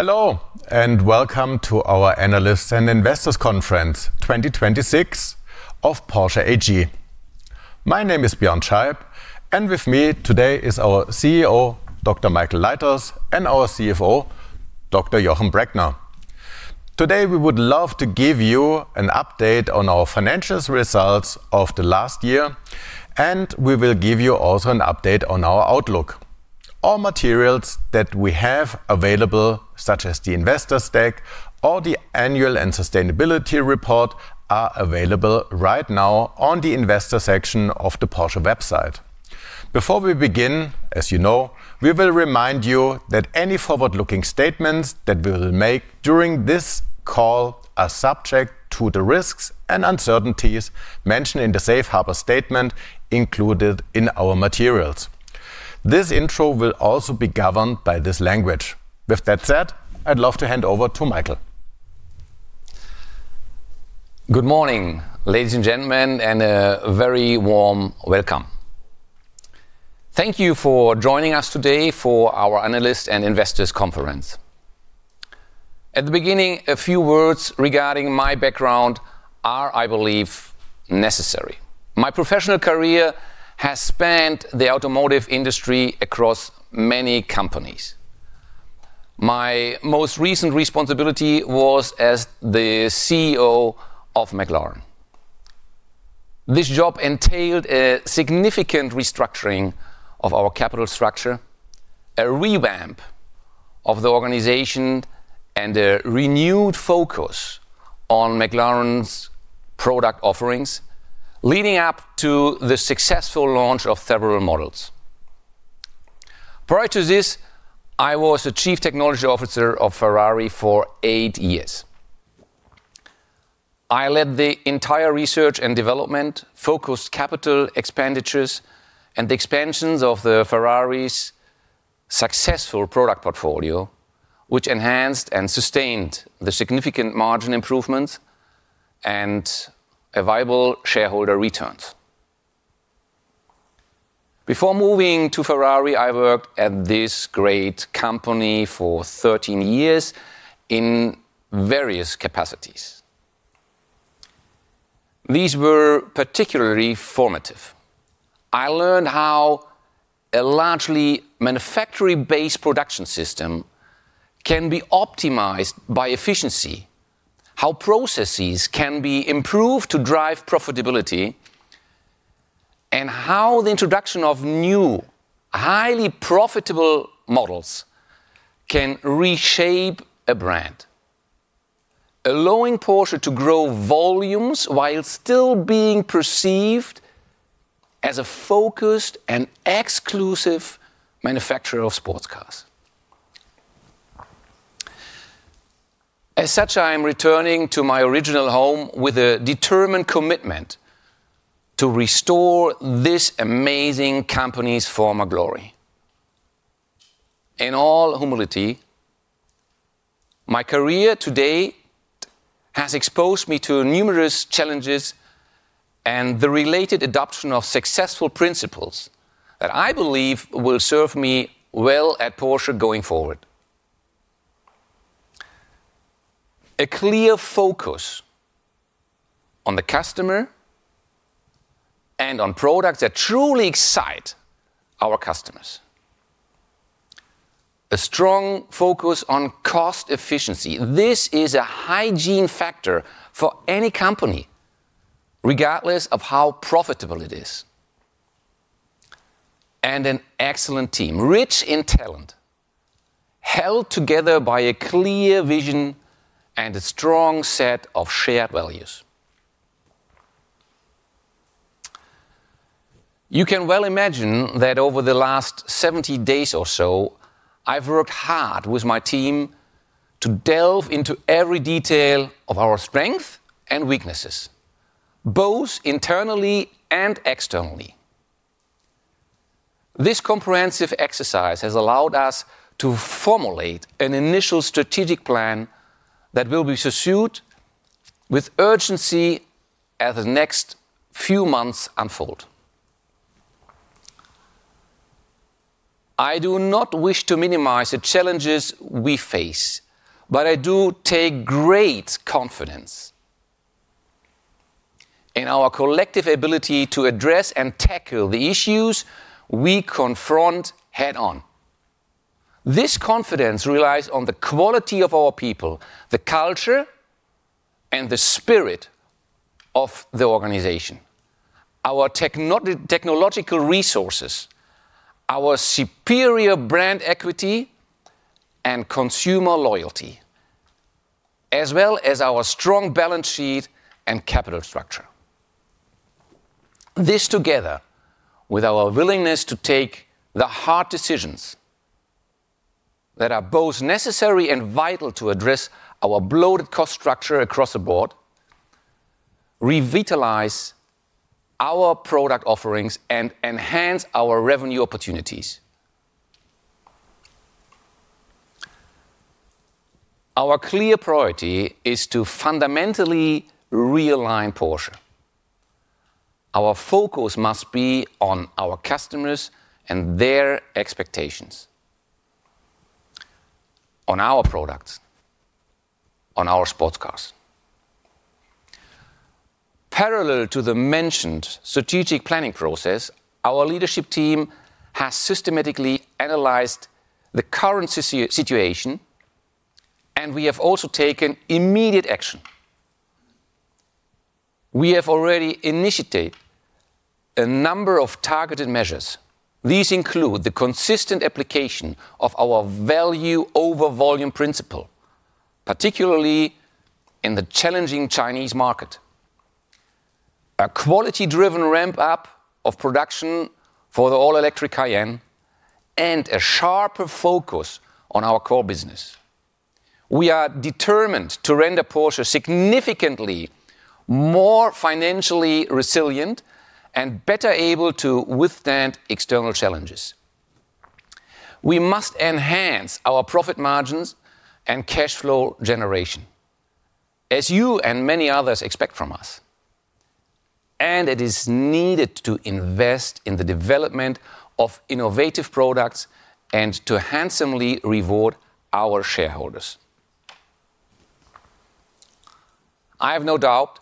Hello, and welcome to our Analysts and Investors Conference 2026 of Porsche AG. My name is Björn Scheib, and with me today is our CEO, Dr. Michael Leiters, and our CFO, Dr. Jochen Breckner. Today, we would love to give you an update on our financial results of the last year, and we will give you also an update on our outlook. All materials that we have available, such as the investor pack or the annual and sustainability report, are available right now on the investor section of the Porsche website. Before we begin, as you know, we will remind you that any forward-looking statements that we will make during this call are subject to the risks and uncertainties mentioned in the Safe Harbor statement included in our materials. This intro will also be governed by this language. With that said, I'd love to hand over to Michael. Good morning, ladies and gentlemen, and a very warm welcome. Thank you for joining us today for our Analysts and Investors Conference. At the beginning, a few words regarding my background are, I believe, necessary. My professional career has spanned the automotive industry across many companies. My most recent responsibility was as the CEO of McLaren. This job entailed a significant restructuring of our capital structure, a revamp of the organization, and a renewed focus on McLaren's product offerings, leading up to the successful launch of several models. Prior to this, I was the chief technology officer of Ferrari for eight years. I led the entire research and development, focused capital expenditures, and the expansions of Ferrari's successful product portfolio, which enhanced and sustained the significant margin improvements and viable shareholder returns. Before moving to Ferrari, I worked at this great company for 13 years in various capacities. These were particularly formative. I learned how a largely manufacturing-based production system can be optimized by efficiency, how processes can be improved to drive profitability, and how the introduction of new, highly profitable models can reshape a brand, allowing Porsche to grow volumes while still being perceived as a focused and exclusive manufacturer of sports cars. As such, I am returning to my original home with a determined commitment to restore this amazing company's former glory. In all humility, my career today has exposed me to numerous challenges and the related adoption of successful principles that I believe will serve me well at Porsche going forward. A clear focus on the customer and on products that truly excite our customers. A strong focus on cost efficiency. This is a hygiene factor for any company, regardless of how profitable it is. An excellent team, rich in talent, held together by a clear vision and a strong set of shared values. You can well imagine that over the last 70 days or so, I've worked hard with my team to delve into every detail of our strength and weaknesses, both internally and externally. This comprehensive exercise has allowed us to formulate an initial strategic plan that will be pursued with urgency as the next few months unfold. I do not wish to minimize the challenges we face, but I do take great confidence in our collective ability to address and tackle the issues we confront head-on. This confidence relies on the quality of our people, the culture, and the spirit of the organization, our technological resources, our superior brand equity and consumer loyalty, as well as our strong balance sheet and capital structure. This together with our willingness to take the hard decisions that are both necessary and vital to address our bloated cost structure across the board, revitalize our product offerings, and enhance our revenue opportunities. Our clear priority is to fundamentally realign Porsche. Our focus must be on our customers and their expectations, on our products, on our sports cars. Parallel to the mentioned strategic planning process, our leadership team has systematically analyzed the current situation, and we have also taken immediate action. We have already initiated a number of targeted measures. These include the consistent application of our value over volume principle, particularly in the challenging Chinese market. A quality-driven ramp-up of production for the all-electric Cayenne, and a sharper focus on our core business. We are determined to render Porsche significantly more financially resilient and better able to withstand external challenges. We must enhance our profit margins and cash flow generation as you and many others expect from us. It is needed to invest in the development of innovative products and to handsomely reward our shareholders. I have no doubt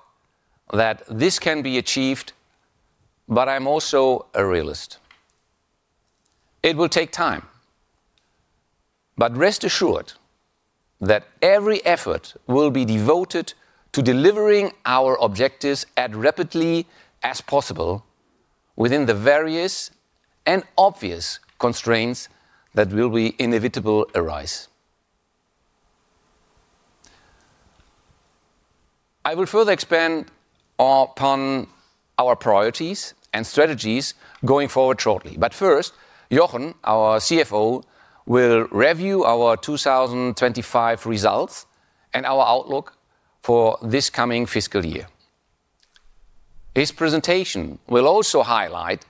that this can be achieved, but I'm also a realist. It will take time, but rest assured that every effort will be devoted to delivering our objectives as rapidly as possible within the various and obvious constraints that will inevitably arise. I will further expand upon our priorities and strategies going forward shortly. First, Jochen, our CFO, will review our 2025 results and our outlook for this coming fiscal year. His presentation will also highlight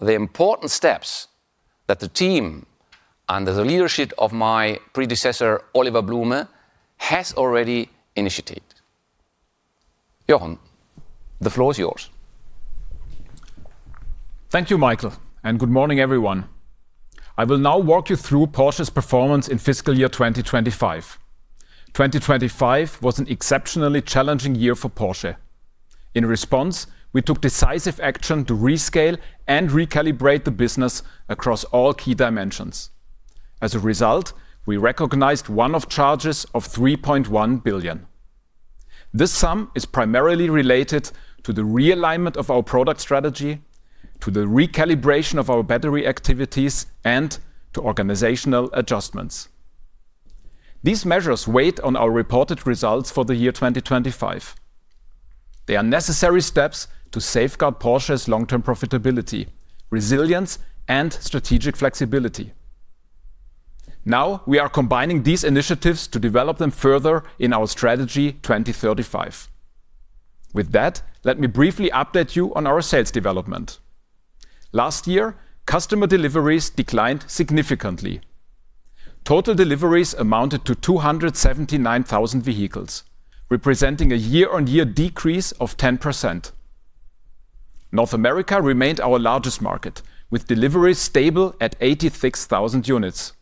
the important steps that the team, under the leadership of my predecessor, Oliver Blume, has already initiated. Jochen, the floor is yours. Thank you, Michael, and good morning, everyone. I will now walk you through Porsche's performance in fiscal year 2025. 2025 was an exceptionally challenging year for Porsche. In response, we took decisive action to rescale and recalibrate the business across all key dimensions. As a result, we recognized one-off charges of 3.1 billion. This sum is primarily related to the realignment of our product strategy, to the recalibration of our battery activities, and to organizational adjustments. These measures weighed on our reported results for the year 2025. They are necessary steps to safeguard Porsche's long-term profitability, resilience, and strategic flexibility. Now, we are combining these initiatives to develop them further in our Strategy 2035. With that, let me briefly update you on our sales development. Last year, customer deliveries declined significantly. Total deliveries amounted to 279,000 vehicles, representing a year-on-year decrease of 10%. North America remained our largest market, with deliveries stable at 86,000 units.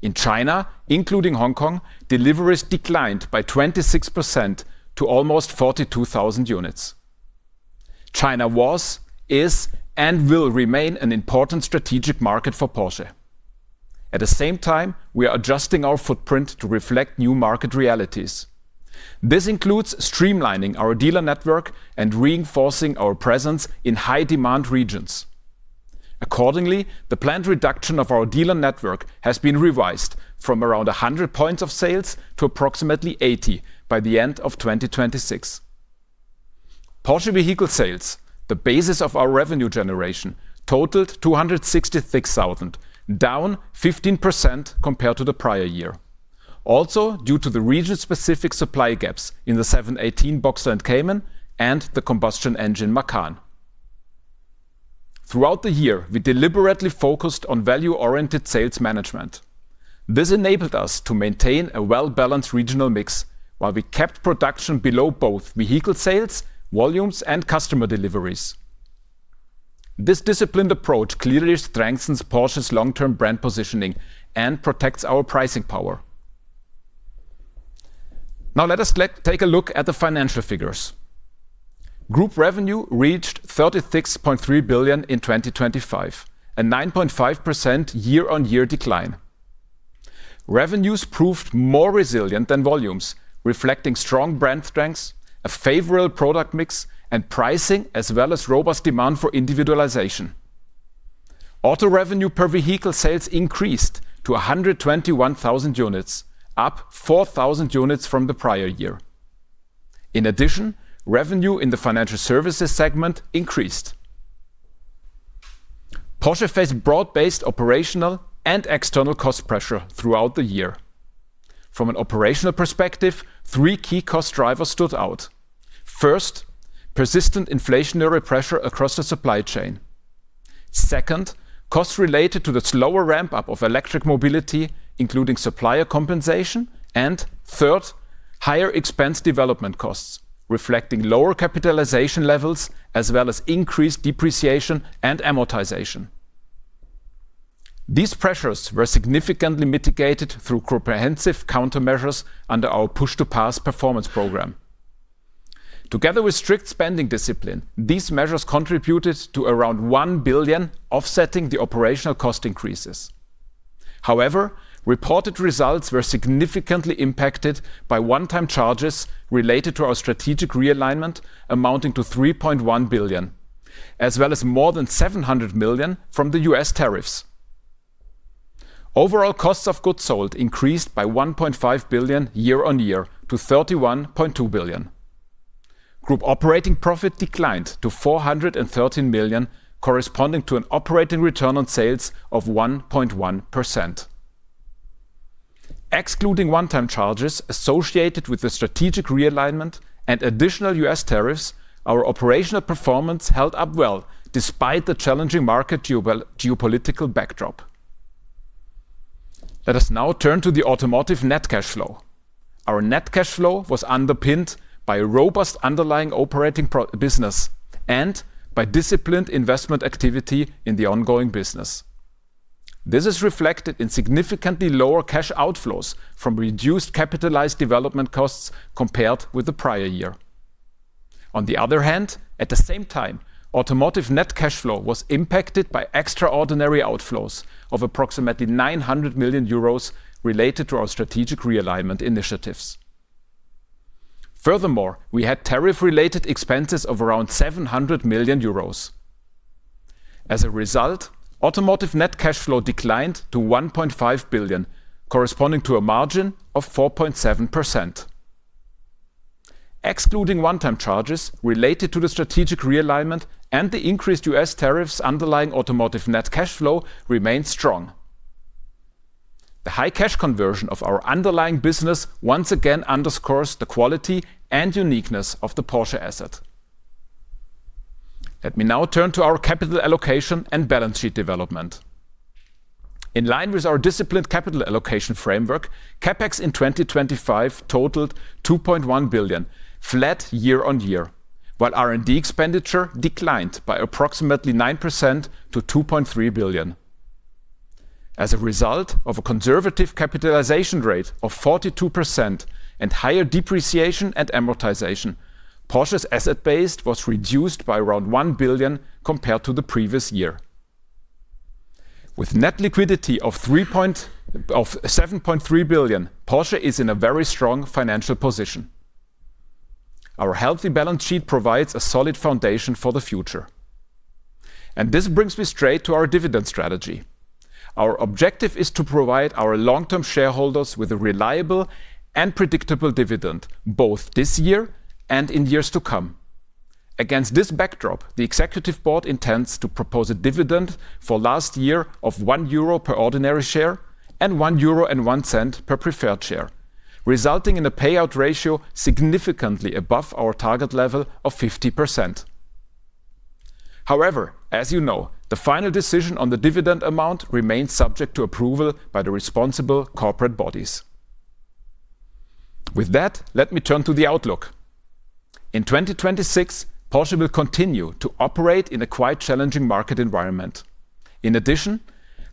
In China, including Hong Kong, deliveries declined by 26% to almost 42,000 units. China was, is, and will remain an important strategic market for Porsche. At the same time, we are adjusting our footprint to reflect new market realities. This includes streamlining our dealer network and reinforcing our presence in high-demand regions. Accordingly, the planned reduction of our dealer network has been revised from around 100 points of sales to approximately 80 by the end of 2026. Porsche vehicle sales, the basis of our revenue generation, totaled 266,000, down 15% compared to the prior year. Due to the region-specific supply gaps in the 718 Boxster and Cayman and the combustion engine Macan. Throughout the year, we deliberately focused on value-oriented sales management. This enabled us to maintain a well-balanced regional mix while we kept production below both vehicle sales, volumes, and customer deliveries. This disciplined approach clearly strengthens Porsche's long-term brand positioning and protects our pricing power. Now let us take a look at the financial figures. Group revenue reached 36.3 billion in 2025, a 9.5% year-on-year decline. Revenues proved more resilient than volumes, reflecting strong brand strengths, a favorable product mix and pricing, as well as robust demand for individualization. Auto revenue per vehicle sales increased to 121,000 units, up 4,000 units from the prior year. In addition, revenue in the financial services segment increased. Porsche faced broad-based operational and external cost pressure throughout the year. From an operational perspective, three key cost drivers stood out. First, persistent inflationary pressure across the supply chain. Second, costs related to the slower ramp up of electric mobility, including supplier compensation. Third, higher expense development costs reflecting lower capitalization levels as well as increased depreciation and amortization. These pressures were significantly mitigated through comprehensive countermeasures under our Push to Pass performance program. Together with strict spending discipline, these measures contributed to around 1 billion offsetting the operational cost increases. However, reported results were significantly impacted by one-time charges related to our strategic realignment amounting to 3.1 billion, as well as more than 700 million from the U.S. tariffs. Overall costs of goods sold increased by 1.5 billion year-on-year to 31.2 billion. Group operating profit declined to 413 million, corresponding to an operating return on sales of 1.1%. Excluding one-time charges associated with the strategic realignment and additional U.S. tariffs, our operational performance held up well despite the challenging market geopolitical backdrop. Let us now turn to the automotive net cash flow. Our net cash flow was underpinned by a robust underlying operating business and by disciplined investment activity in the ongoing business. This is reflected in significantly lower cash outflows from reduced capitalized development costs compared with the prior year. On the other hand, at the same time, automotive net cash flow was impacted by extraordinary outflows of approximately 900 million euros related to our strategic realignment initiatives. Furthermore, we had tariff-related expenses of around 700 million euros. As a result, automotive net cash flow declined to 1.5 billion, corresponding to a margin of 4.7%. Excluding one-time charges related to the strategic realignment and the increased U.S. tariffs, underlying automotive net cash flow remained strong. The high cash conversion of our underlying business once again underscores the quality and uniqueness of the Porsche asset. Let me now turn to our capital allocation and balance sheet development. In line with our disciplined capital allocation framework, CapEx in 2025 totaled 2.1 billion, flat year-on-year, while R&D expenditure declined by approximately 9% to 2.3 billion. As a result of a conservative capitalization rate of 42% and higher depreciation and amortization, Porsche's asset base was reduced by around 1 billion compared to the previous year. With net liquidity of 7.3 billion, Porsche is in a very strong financial position. Our healthy balance sheet provides a solid foundation for the future. This brings me straight to our dividend strategy. Our objective is to provide our long-term shareholders with a reliable and predictable dividend, both this year and in years to come. Against this backdrop, the executive board intends to propose a dividend for last year of 1 euro per ordinary share and 1.01 euro per preferred share, resulting in a payout ratio significantly above our target level of 50%. However, as you know, the final decision on the dividend amount remains subject to approval by the responsible corporate bodies. With that, let me turn to the outlook. In 2026, Porsche will continue to operate in a quite challenging market environment. In addition,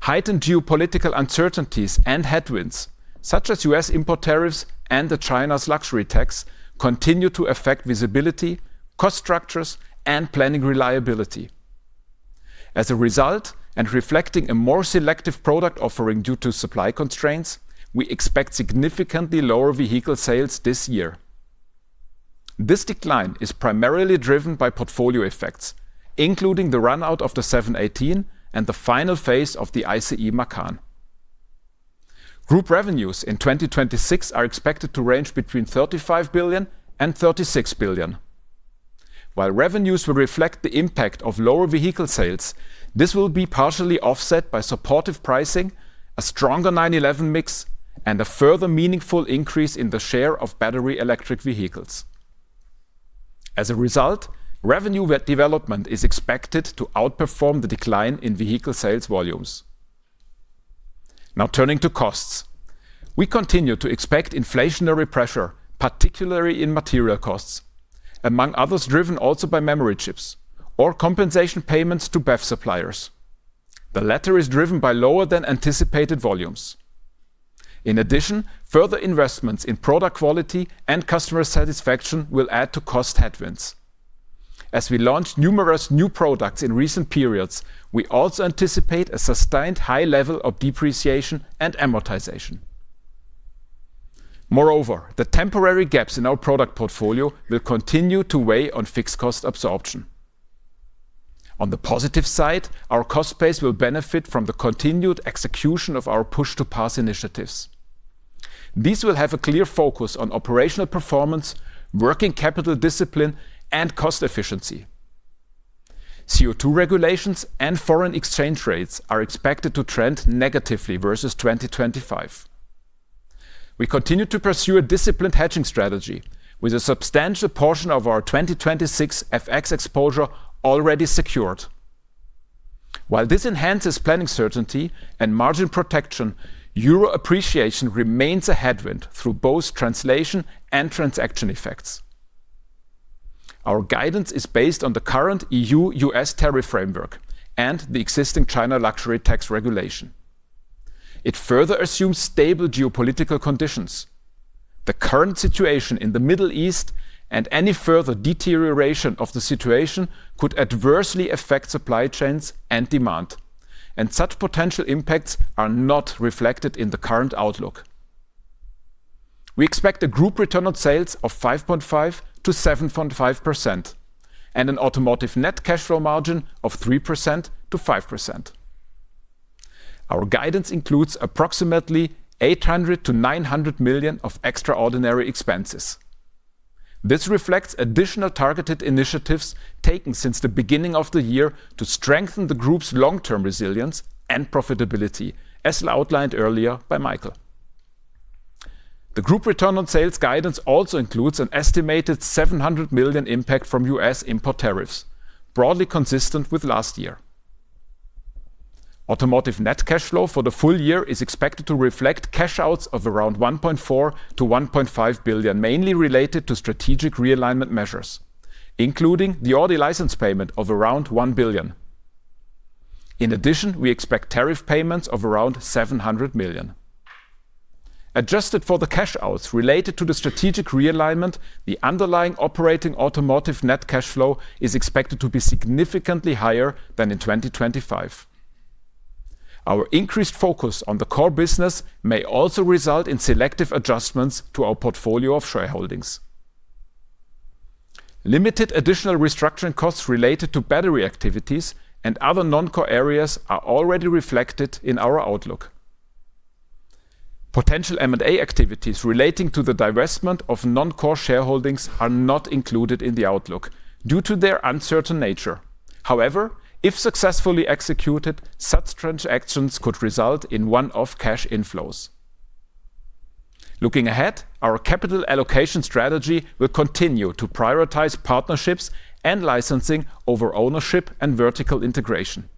heightened geopolitical uncertainties and headwinds, such as U.S. import tariffs and China's luxury tax, continue to affect visibility, cost structures, and planning reliability. As a result, and reflecting a more selective product offering due to supply constraints, we expect significantly lower vehicle sales this year. This decline is primarily driven by portfolio effects, including the run out of the 718 and the final phase of the ICE Macan. Group revenues in 2026 are expected to range between 35 billion and 36 billion. While revenues will reflect the impact of lower vehicle sales, this will be partially offset by supportive pricing, a stronger 911 mix, and a further meaningful increase in the share of battery electric vehicles. As a result, revenue development is expected to outperform the decline in vehicle sales volumes. Now turning to costs. We continue to expect inflationary pressure, particularly in material costs, among others driven also by memory chips or compensation payments to BEV suppliers. The latter is driven by lower than anticipated volumes. In addition, further investments in product quality and customer satisfaction will add to cost headwinds. As we launched numerous new products in recent periods, we also anticipate a sustained high level of depreciation and amortization. Moreover, the temporary gaps in our product portfolio will continue to weigh on fixed cost absorption. On the positive side, our cost base will benefit from the continued execution of our Push to Pass initiatives. These will have a clear focus on operational performance, working capital discipline, and cost efficiency. CO2 regulations and foreign exchange rates are expected to trend negatively versus 2025. We continue to pursue a disciplined hedging strategy with a substantial portion of our 2026 FX exposure already secured. While this enhances planning certainty and margin protection, euro appreciation remains a headwind through both translation and transaction effects. Our guidance is based on the current EU-U.S. tariff framework and the existing China luxury tax regulation. It further assumes stable geopolitical conditions. The current situation in the Middle East and any further deterioration of the situation could adversely affect supply chains and demand, and such potential impacts are not reflected in the current outlook. We expect a group return on sales of 5.5%-7.5% and an automotive net cash flow margin of 3%-5%. Our guidance includes approximately 800 million-900 million of extraordinary expenses. This reflects additional targeted initiatives taken since the beginning of the year to strengthen the group's long-term resilience and profitability, as outlined earlier by Michael. The group return on sales guidance also includes an estimated 700 million impact from U.S. import tariffs, broadly consistent with last year. Automotive net cash flow for the full year is expected to reflect cash outs of around 1.4 billion-1.5 billion, mainly related to strategic realignment measures, including the Audi license payment of around 1 billion. In addition, we expect tariff payments of around 700 million. Adjusted for the cash outs related to the strategic realignment, the underlying operating automotive net cash flow is expected to be significantly higher than in 2025. Our increased focus on the core business may also result in selective adjustments to our portfolio of shareholdings. Limited additional restructuring costs related to battery activities and other non-core areas are already reflected in our outlook. Potential M&A activities relating to the divestment of non-core shareholdings are not included in the outlook due to their uncertain nature. However, if successfully executed, such transactions could result in one-off cash inflows. Looking ahead, our capital allocation strategy will continue to prioritize partnerships and licensing over ownership and vertical integration.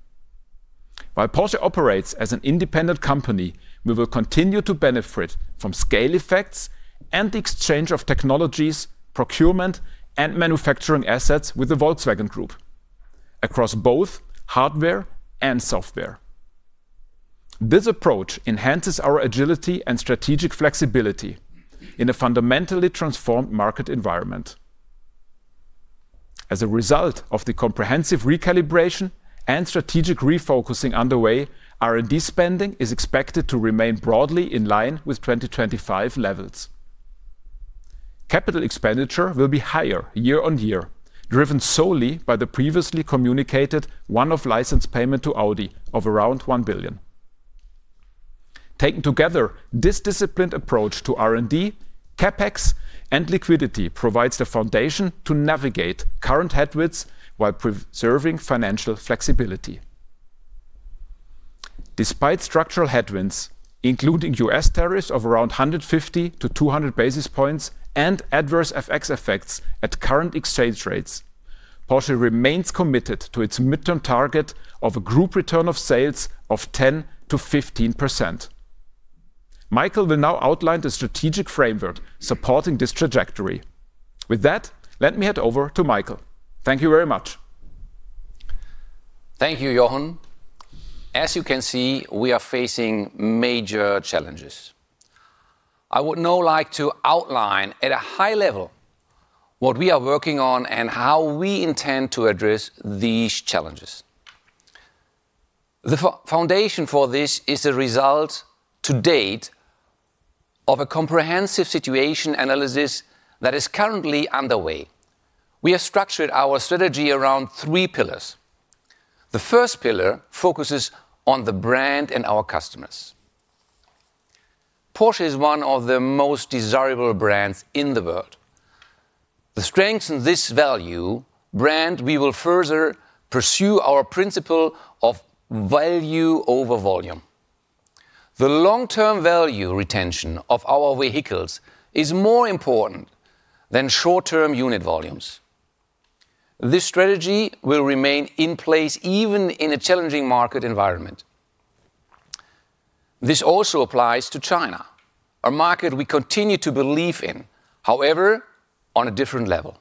While Porsche operates as an independent company, we will continue to benefit from scale effects and the exchange of technologies, procurement, and manufacturing assets with the Volkswagen Group across both hardware and software. This approach enhances our agility and strategic flexibility in a fundamentally transformed market environment. As a result of the comprehensive recalibration and strategic refocusing underway, R&D spending is expected to remain broadly in line with 2025 levels. Capital expenditure will be higher year-on-year, driven solely by the previously communicated one-off license payment to Audi of around 1 billion. Taken together, this disciplined approach to R&D, CapEx, and liquidity provides the foundation to navigate current headwinds while preserving financial flexibility. Despite structural headwinds, including U.S. tariffs of around 150-200 basis points and adverse FX effects at current exchange rates, Porsche remains committed to its midterm target of a group return of sales of 10%-15%. Michael will now outline the strategic framework supporting this trajectory. With that, let me hand over to Michael. Thank you very much. Thank you, Jochen. As you can see, we are facing major challenges. I would now like to outline at a high level what we are working on and how we intend to address these challenges. The foundation for this is the result to date of a comprehensive situation analysis that is currently underway. We have structured our strategy around three pillars. The first pillar focuses on the brand and our customers. Porsche is one of the most desirable brands in the world. To strengthen this value brand, we will further pursue our principle of value over volume. The long-term value retention of our vehicles is more important than short-term unit volumes. This strategy will remain in place even in a challenging market environment. This also applies to China, a market we continue to believe in, however, on a different level.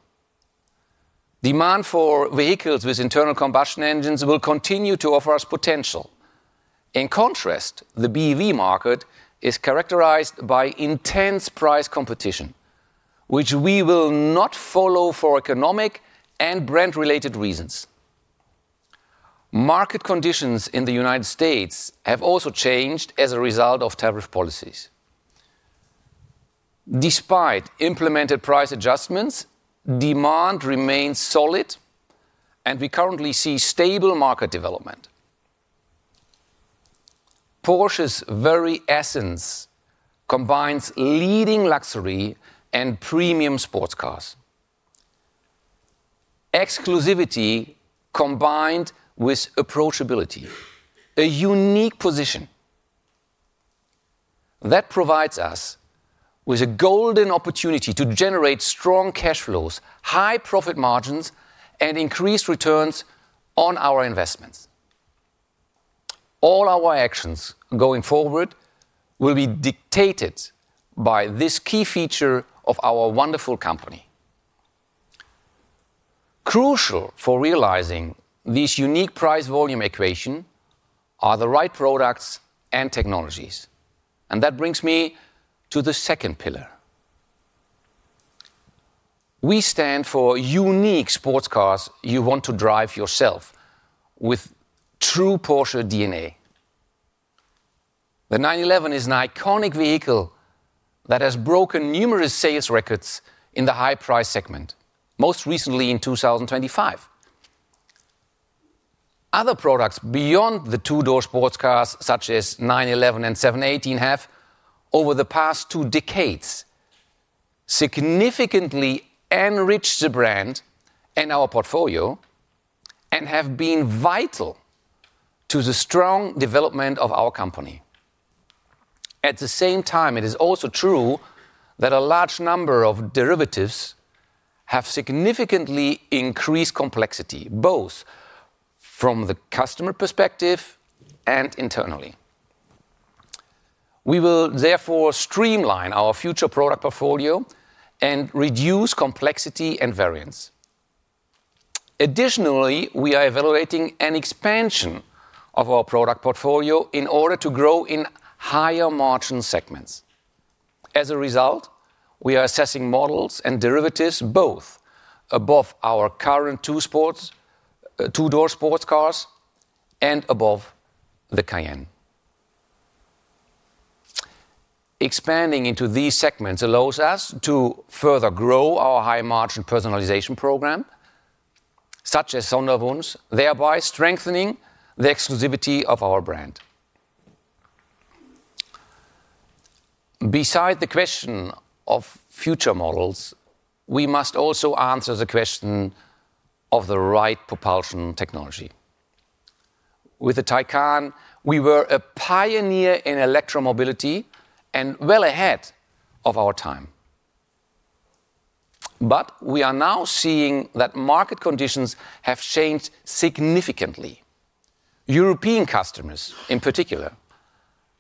Demand for vehicles with internal combustion engines will continue to offer us potential. In contrast, the BEV market is characterized by intense price competition, which we will not follow for economic and brand-related reasons. Market conditions in the United States have also changed as a result of tariff policies. Despite implemented price adjustments, demand remains solid, and we currently see stable market development. Porsche's very essence combines leading luxury and premium sports cars. Exclusivity combined with approachability. A unique position that provides us with a golden opportunity to generate strong cash flows, high profit margins, and increase returns on our investments. All our actions going forward will be dictated by this key feature of our wonderful company. Crucial for realizing this unique price volume equation are the right products and technologies. That brings me to the second pillar. We stand for unique sports cars you want to drive yourself with true Porsche DNA. The 911 is an iconic vehicle that has broken numerous sales records in the high price segment, most recently in 2025. Other products beyond the two-door sports cars, such as 911 and 718 have, over the past two decades, significantly enriched the brand and our portfolio and have been vital to the strong development of our company. At the same time, it is also true that a large number of derivatives have significantly increased complexity, both from the customer perspective and internally. We will therefore streamline our future product portfolio and reduce complexity and variance. Additionally, we are evaluating an expansion of our product portfolio in order to grow in higher margin segments. As a result, we are assessing models and derivatives both above our current two-door sports cars and above the Cayenne. Expanding into these segments allows us to further grow our high margin personalization program, such as Sonderwunsch, thereby strengthening the exclusivity of our brand. Besides the question of future models, we must also answer the question of the right propulsion technology. With the Taycan, we were a pioneer in electromobility and well ahead of our time. But we are now seeing that market conditions have changed significantly. European customers, in particular,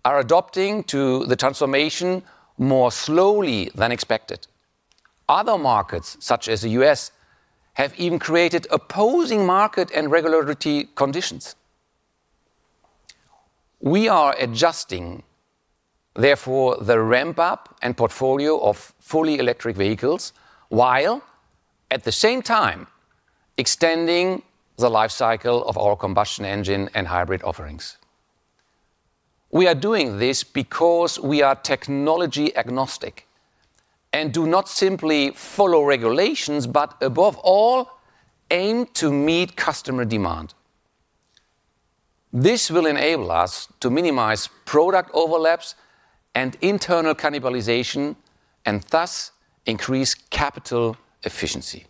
are adapting to the transformation more slowly than expected. Other markets, such as the U.S., have even created opposing market and regulatory conditions. We are adjusting therefore the ramp up and portfolio of fully electric vehicles, while at the same time extending the life cycle of our combustion engine and hybrid offerings. We are doing this because we are technology agnostic and do not simply follow regulations, but above all, aim to meet customer demand. This will enable us to minimize product overlaps and internal cannibalization and thus increase capital efficiency.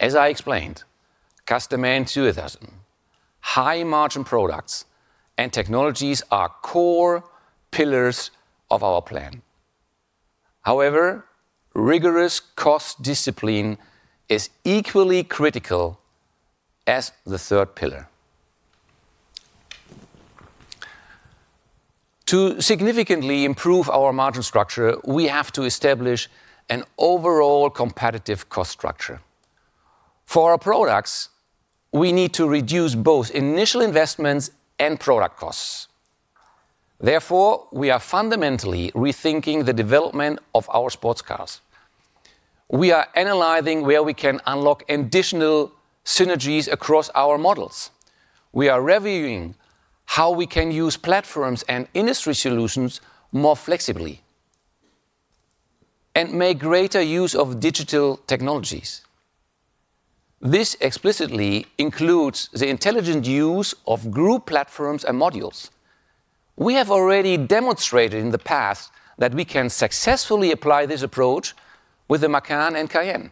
As I explained, customer enthusiasm, high margin products and technologies are core pillars of our plan. However, rigorous cost discipline is equally critical as the third pillar. To significantly improve our margin structure, we have to establish an overall competitive cost structure. For our products, we need to reduce both initial investments and product costs. Therefore, we are fundamentally rethinking the development of our sports cars. We are analyzing where we can unlock additional synergies across our models. We are reviewing how we can use platforms and industry solutions more flexibly and make greater use of digital technologies. This explicitly includes the intelligent use of group platforms and modules. We have already demonstrated in the past that we can successfully apply this approach with the Macan and Cayenne.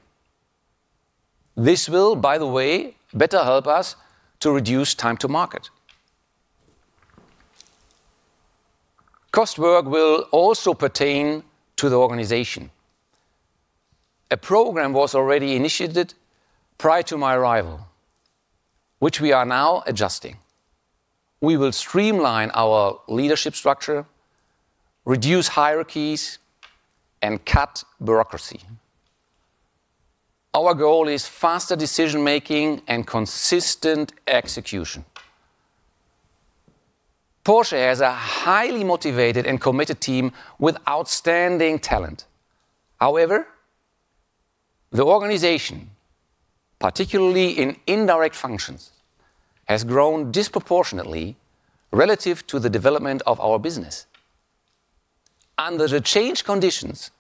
This will, by the way, better help us to reduce time to market. Cost work will also pertain to the organization. A program was already initiated prior to my arrival, which we are now adjusting. We will streamline our leadership structure, reduce hierarchies and cut bureaucracy. Our goal is faster decision making and consistent execution. Porsche has a highly motivated and committed team with outstanding talent. However, the organization, particularly in indirect functions, has grown disproportionately relative to the development of our business. Under the changed conditions,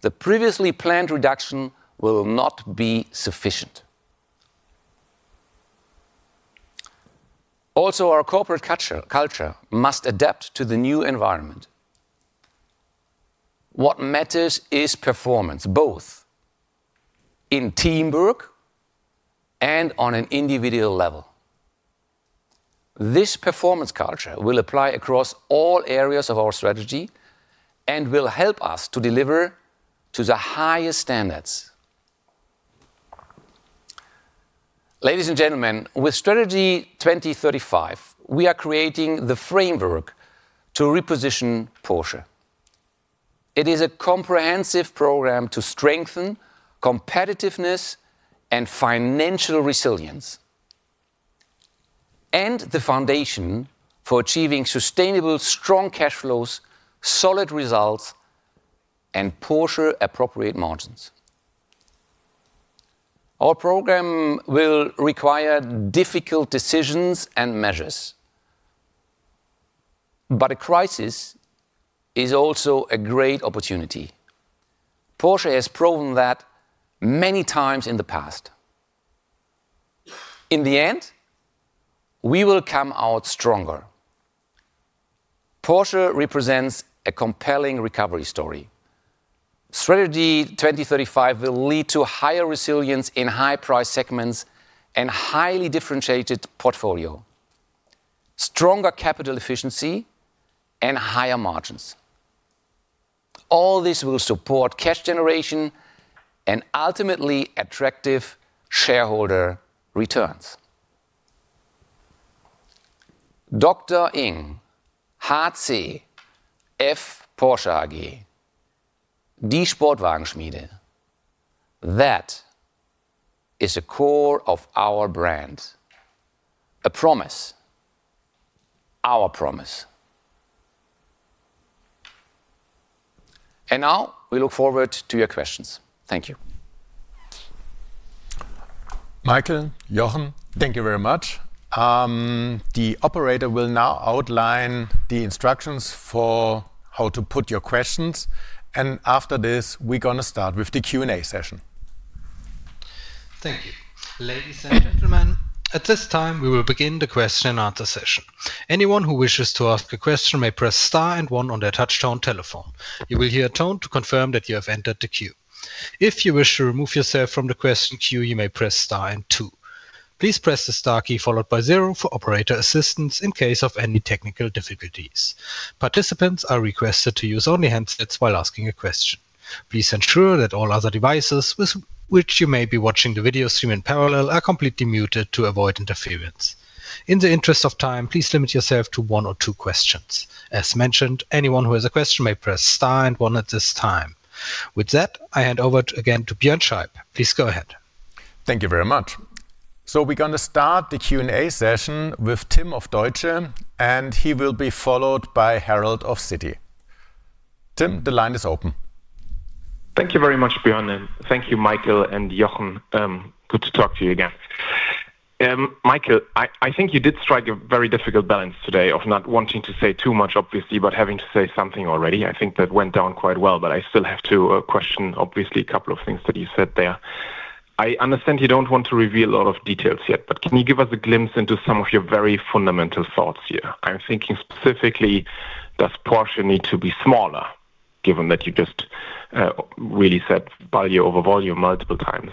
the previously planned reduction will not be sufficient. Also, our corporate culture must adapt to the new environment. What matters is performance, both in teamwork and on an individual level. This performance culture will apply across all areas of our strategy and will help us to deliver to the highest standards. Ladies and gentlemen, with Strategy 2035, we are creating the framework to reposition Porsche. It is a comprehensive program to strengthen competitiveness and financial resilience, and the foundation for achieving sustainable, strong cash flows, solid results, and Porsche appropriate margins. Our program will require difficult decisions and measures, but a crisis is also a great opportunity. Porsche has proven that many times in the past. In the end, we will come out stronger. Porsche represents a compelling recovery story. Strategy 2035 will lead to higher resilience in high price segments and highly differentiated portfolio, stronger capital efficiency and higher margins. All this will support cash generation and ultimately attractive shareholder returns. Dr. Ing. H.c. F. Porsche AG, die Sportwagenschmiede, that is a core of our brand, a promise, our promise. Now we look forward to your questions. Thank you. Michael, Jochen, thank you very much. The operator will now outline the instructions for how to put your questions, and after this, we're gonna start with the Q&A session. Thank you. Ladies and gentlemen, at this time, we will begin the question and answer session. Anyone who wishes to ask a question may press star and one on their touchtone telephone. You will hear a tone to confirm that you have entered the queue. If you wish to remove yourself from the question queue, you may press star and two. Please press the star key followed by zero for operator assistance in case of any technical difficulties. Participants are requested to use only handsets while asking a question. Please ensure that all other devices with which you may be watching the video stream in parallel are completely muted to avoid interference. In the interest of time, please limit yourself to one or two questions. As mentioned, anyone who has a question may press star and one at this time. With that, I hand over again to Björn Scheib. Please go ahead. Thank you very much. We're gonna start the Q&A session with Tim of Deutsche, and he will be followed by Harald of Citi. Tim, the line is open. Thank you very much, Björn, and thank you, Michael and Jochen. Good to talk to you again. Michael, I think you did strike a very difficult balance today of not wanting to say too much, obviously, but having to say something already. I think that went down quite well, but I still have to question obviously a couple of things that you said there. I understand you don't want to reveal a lot of details yet, but can you give us a glimpse into some of your very fundamental thoughts here? I'm thinking specifically, does Porsche need to be smaller, given that you just really said value over volume multiple times?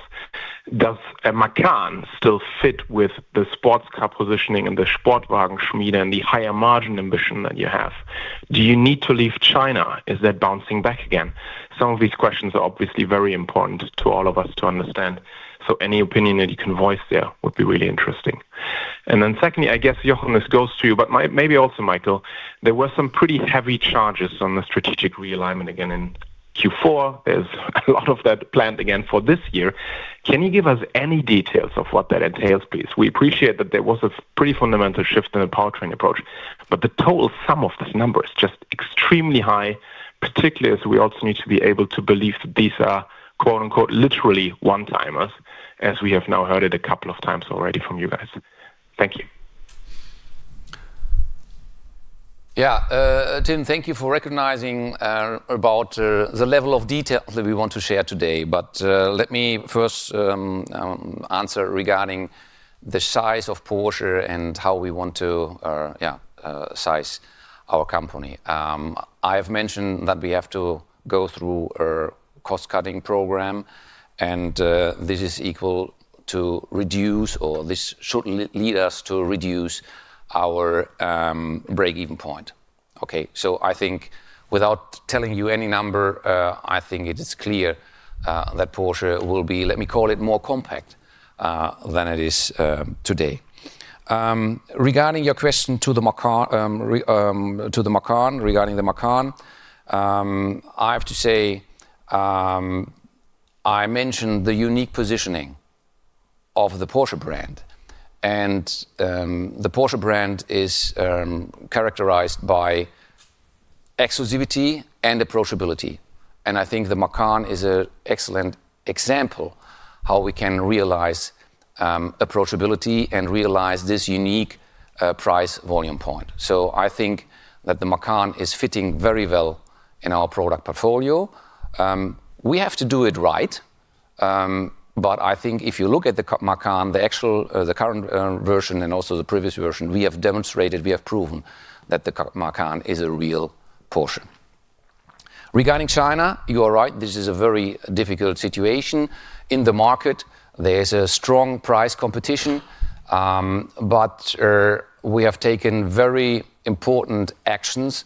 Does a Macan still fit with the sports car positioning and the Sportwagenschmiede and the higher margin ambition that you have? Do you need to leave China? Is that bouncing back again? Some of these questions are obviously very important to all of us to understand, so any opinion that you can voice there would be really interesting. Then secondly, I guess, Jochen, this goes to you, but maybe also Michael, there were some pretty heavy charges on the strategic realignment again in Q4. There's a lot of that planned again for this year. Can you give us any details of what that entails, please? We appreciate that there was a pretty fundamental shift in the powertrain approach, but the total sum of this number is just extremely high, particularly as we also need to be able to believe that these are "literally one-timers", as we have now heard it a couple of times already from you guys. Thank you. Tim, thank you for recognizing about the level of detail that we want to share today. Let me first answer regarding the size of Porsche and how we want to size our company. I've mentioned that we have to go through a cost-cutting program, and this is equal to reduce or this should lead us to reduce our break-even point. I think without telling you any number, I think it is clear that Porsche will be, let me call it, more compact than it is today. Regarding your question to the Macan, I have to say, I mentioned the unique positioning of the Porsche brand, and the Porsche brand is characterized by exclusivity and approachability, and I think the Macan is an excellent example how we can realize approachability and realize this unique price volume point. I think that the Macan is fitting very well in our product portfolio. We have to do it right. I think if you look at the Macan, the actual, the current version and also the previous version, we have demonstrated, we have proven that the Macan is a real Porsche. Regarding China, you are right, this is a very difficult situation. In the market, there is a strong price competition. We have taken very important actions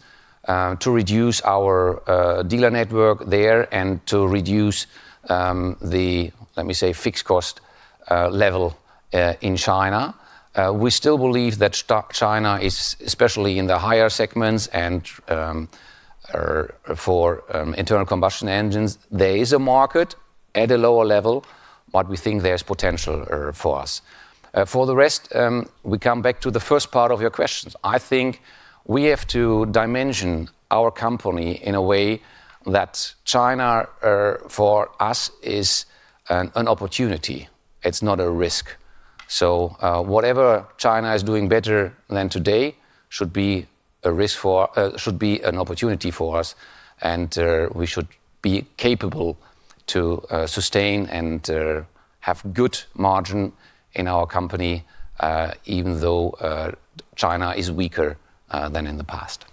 to reduce our dealer network there and to reduce the, let me say, fixed cost level in China. We still believe that China is especially in the higher segments and for internal combustion engines there is a market at a lower level, but we think there's potential for us. For the rest, we come back to the first part of your question. I think we have to dimension our company in a way that China for us is an opportunity. It's not a risk. Whatever China is doing better than today should be an opportunity for us, and we should be capable to sustain and have good margin in our company, even though China is weaker than in the past.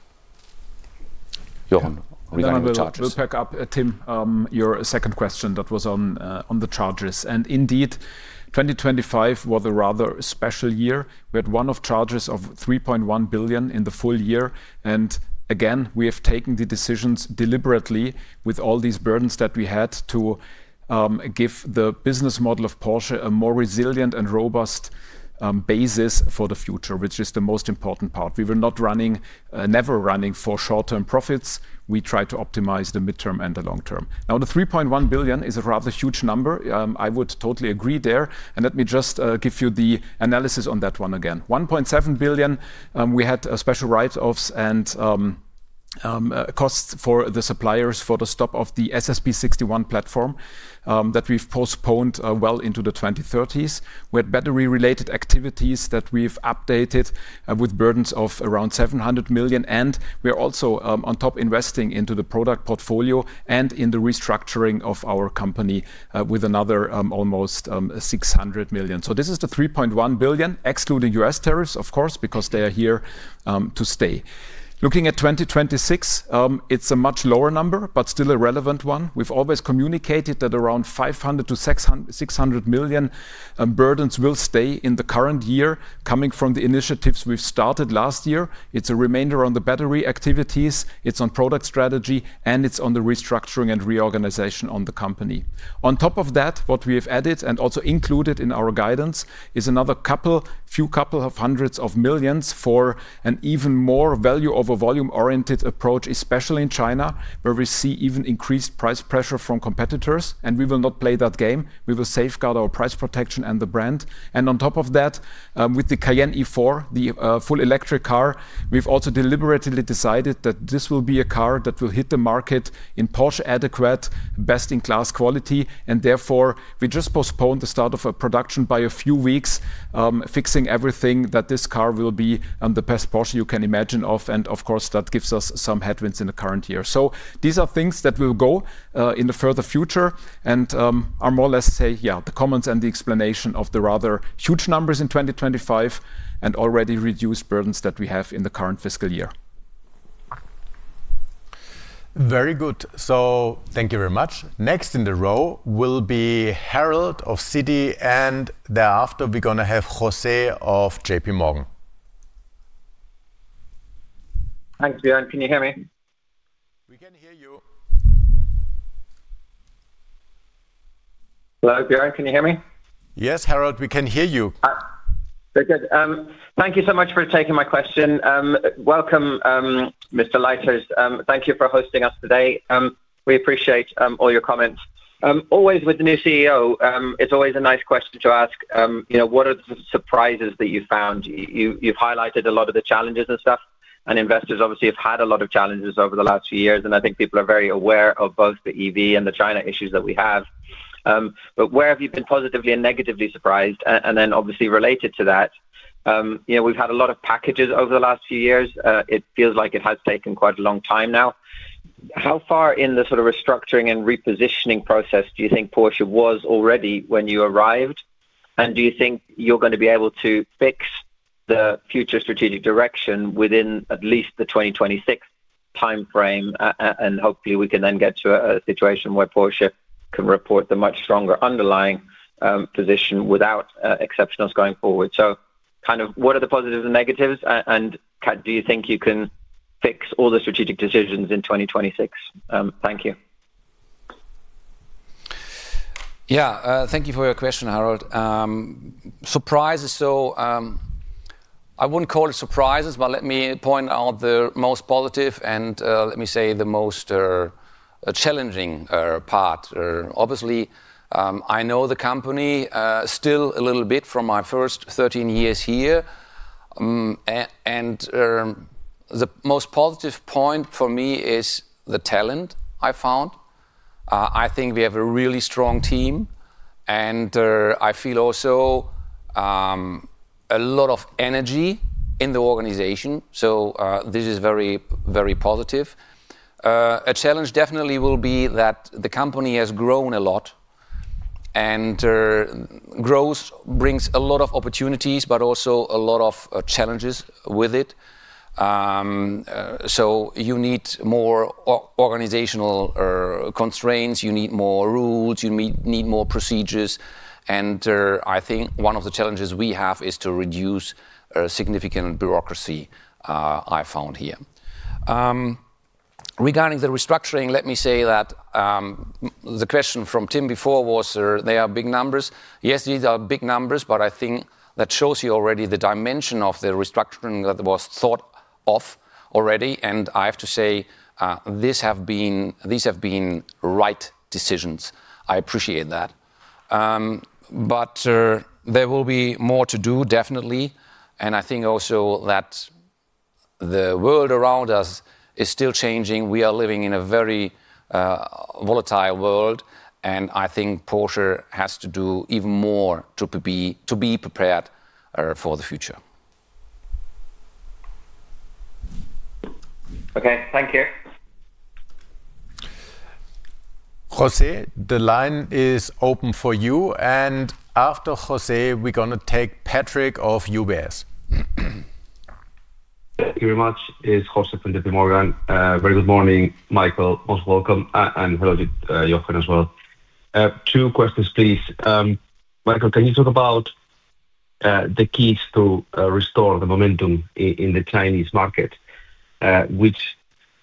Jochen, regarding the charges. We're gonna build back up, Tim, your second question that was on the charges. Indeed, 2025 was a rather special year with one-off charges of 3.1 billion in the full year. Again, we have taken the decisions deliberately with all these burdens that we had to give the business model of Porsche a more resilient and robust basis for the future, which is the most important part. We were never running for short-term profits. We try to optimize the midterm and the long term. Now, the 3.1 billion is a rather huge number, I would totally agree there. Let me just give you the analysis on that one again. 1.7 billion, we had special write-offs and costs for the suppliers for the stop of the SSP 61 platform that we've postponed well into the 2030s. We had battery-related activities that we've updated with burdens of around 700 million, and we are also on top investing into the product portfolio and in the restructuring of our company with another almost 600 million. This is the 3.1 billion, excluding U.S. tariffs, of course, because they are here to stay. Looking at 2026, it's a much lower number, but still a relevant one. We've always communicated that around 500-600 million burdens will stay in the current year coming from the initiatives we've started last year. It's a remainder on the battery activities, it's on product strategy, and it's on the restructuring and reorganization on the company. On top of that, what we have added and also included in our guidance is another couple, few couple of hundreds of millions for an even more value over volume-oriented approach, especially in China, where we see even increased price pressure from competitors, and we will not play that game. We will safeguard our price protection and the brand. On top of that, with the Cayenne EV, the full electric car, we've also deliberately decided that this will be a car that will hit the market in Porsche adequate, best-in-class quality, and therefore, we just postponed the start of a production by a few weeks, fixing everything that this car will be, the best Porsche you can imagine of. Of course, that gives us some headwinds in the current year. These are things that will go in the further future and are more or less say, yeah, the comments and the explanation of the rather huge numbers in 2025 and already reduced burdens that we have in the current fiscal year. Very good. Thank you very much. Next in the row will be Harald of Citi, and thereafter, we're gonna have José of JPMorgan. Thanks, Björn. Can you hear me? We can hear you. Hello, Björn, can you hear me? Yes, Harald, we can hear you. Very good. Thank you so much for taking my question. Welcome, Dr. Michael Leiters. Thank you for hosting us today. We appreciate all your comments. Always with the new CEO, it's always a nice question to ask, you know, what are the surprises that you found? You've highlighted a lot of the challenges and stuff, and investors obviously have had a lot of challenges over the last few years, and I think people are very aware of both the EV and the China issues that we have. But where have you been positively and negatively surprised? And then obviously related to that, you know, we've had a lot of packages over the last few years. It feels like it has taken quite a long time now. How far in the sort of restructuring and repositioning process do you think Porsche was already when you arrived? Do you think you're gonna be able to fix the future strategic direction within at least the 2026 timeframe? Hopefully we can then get to a situation where Porsche can report the much stronger underlying position without exceptionals going forward. Kind of what are the positives and negatives? Do you think you can fix all the strategic decisions in 2026? Thank you. Yeah, thank you for your question, Harald. Surprises, I wouldn't call it surprises, but let me point out the most positive and, let me say, the most challenging part. Obviously, I know the company still a little bit from my first 13 years here and the most positive point for me is the talent I found. I think we have a really strong team, and I feel also a lot of energy in the organization, so this is very, very positive. A challenge definitely will be that the company has grown a lot, and growth brings a lot of opportunities, but also a lot of challenges with it. So you need more organizational constraints, you need more rules, you need more procedures. I think one of the challenges we have is to reduce significant bureaucracy I found here. Regarding the restructuring, let me say that the question from Tim before was they are big numbers. Yes, these are big numbers, but I think that shows you already the dimension of the restructuring that was thought of already, and I have to say these have been right decisions. I appreciate that. There will be more to do, definitely, and I think also that the world around us is still changing. We are living in a very volatile world, and I think Porsche has to do even more to be prepared for the future. Okay, thank you. José, the line is open for you, and after José, we're gonna take Patrick of UBS. Thank you very much. It's José from JP Morgan. Very good morning, Michael. Most welcome, and hello to Jochen as well. Two questions, please. Michael, can you talk about the keys to restore the momentum in the Chinese market? Which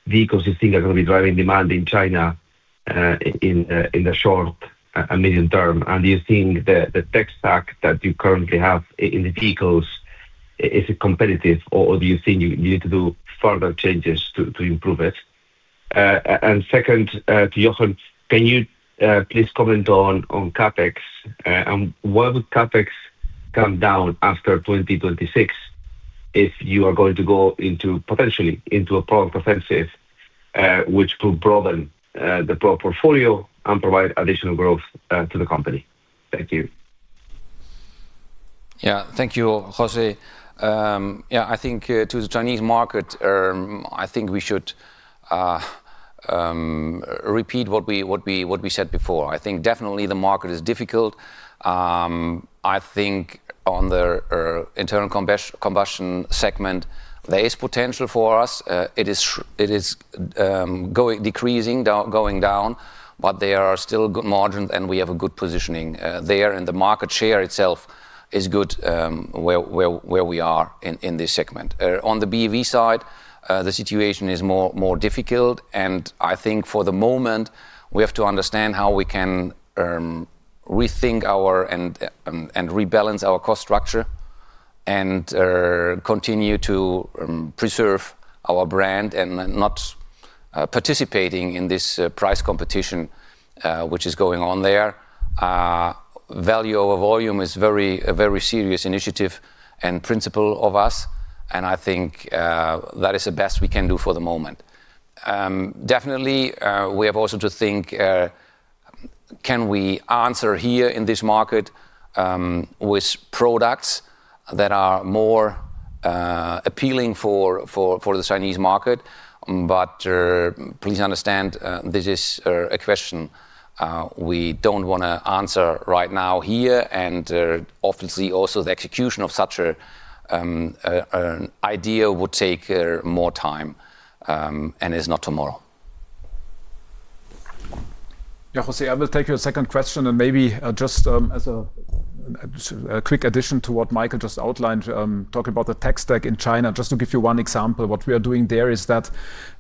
vehicles you think are gonna be driving demand in China, in the short and medium term? Do you think the tech stack that you currently have in the vehicles, is it competitive or do you think you need to do further changes to improve it? Second, to Jochen, can you please comment on CapEx, and where would CapEx come down after 2026 if you are going to go into, potentially, into a product offensive, which could broaden the product portfolio and provide additional growth to the company? Thank you. Yeah. Thank you, José. Yeah, I think to the Chinese market, I think we should repeat what we said before. I think definitely the market is difficult. I think on the internal combustion segment, there is potential for us. It is going down, but there are still good margins, and we have a good positioning there, and the market share itself is good where we are in this segment. On the BEV side, the situation is more difficult, and I think for the moment, we have to understand how we can rethink and rebalance our cost structure, and continue to preserve our brand and not participating in this price competition which is going on there. Value over volume is a very serious initiative and principle of us, and I think that is the best we can do for the moment. Definitely, we have also to think, can we answer here in this market with products that are more appealing for the Chinese market. Please understand, this is a question we don't wanna answer right now here, and obviously also the execution of such an idea would take more time and is not tomorrow. Yeah, José, I will take your second question and maybe just as a quick addition to what Michael just outlined, talking about the tech stack in China, just to give you one example, what we are doing there is that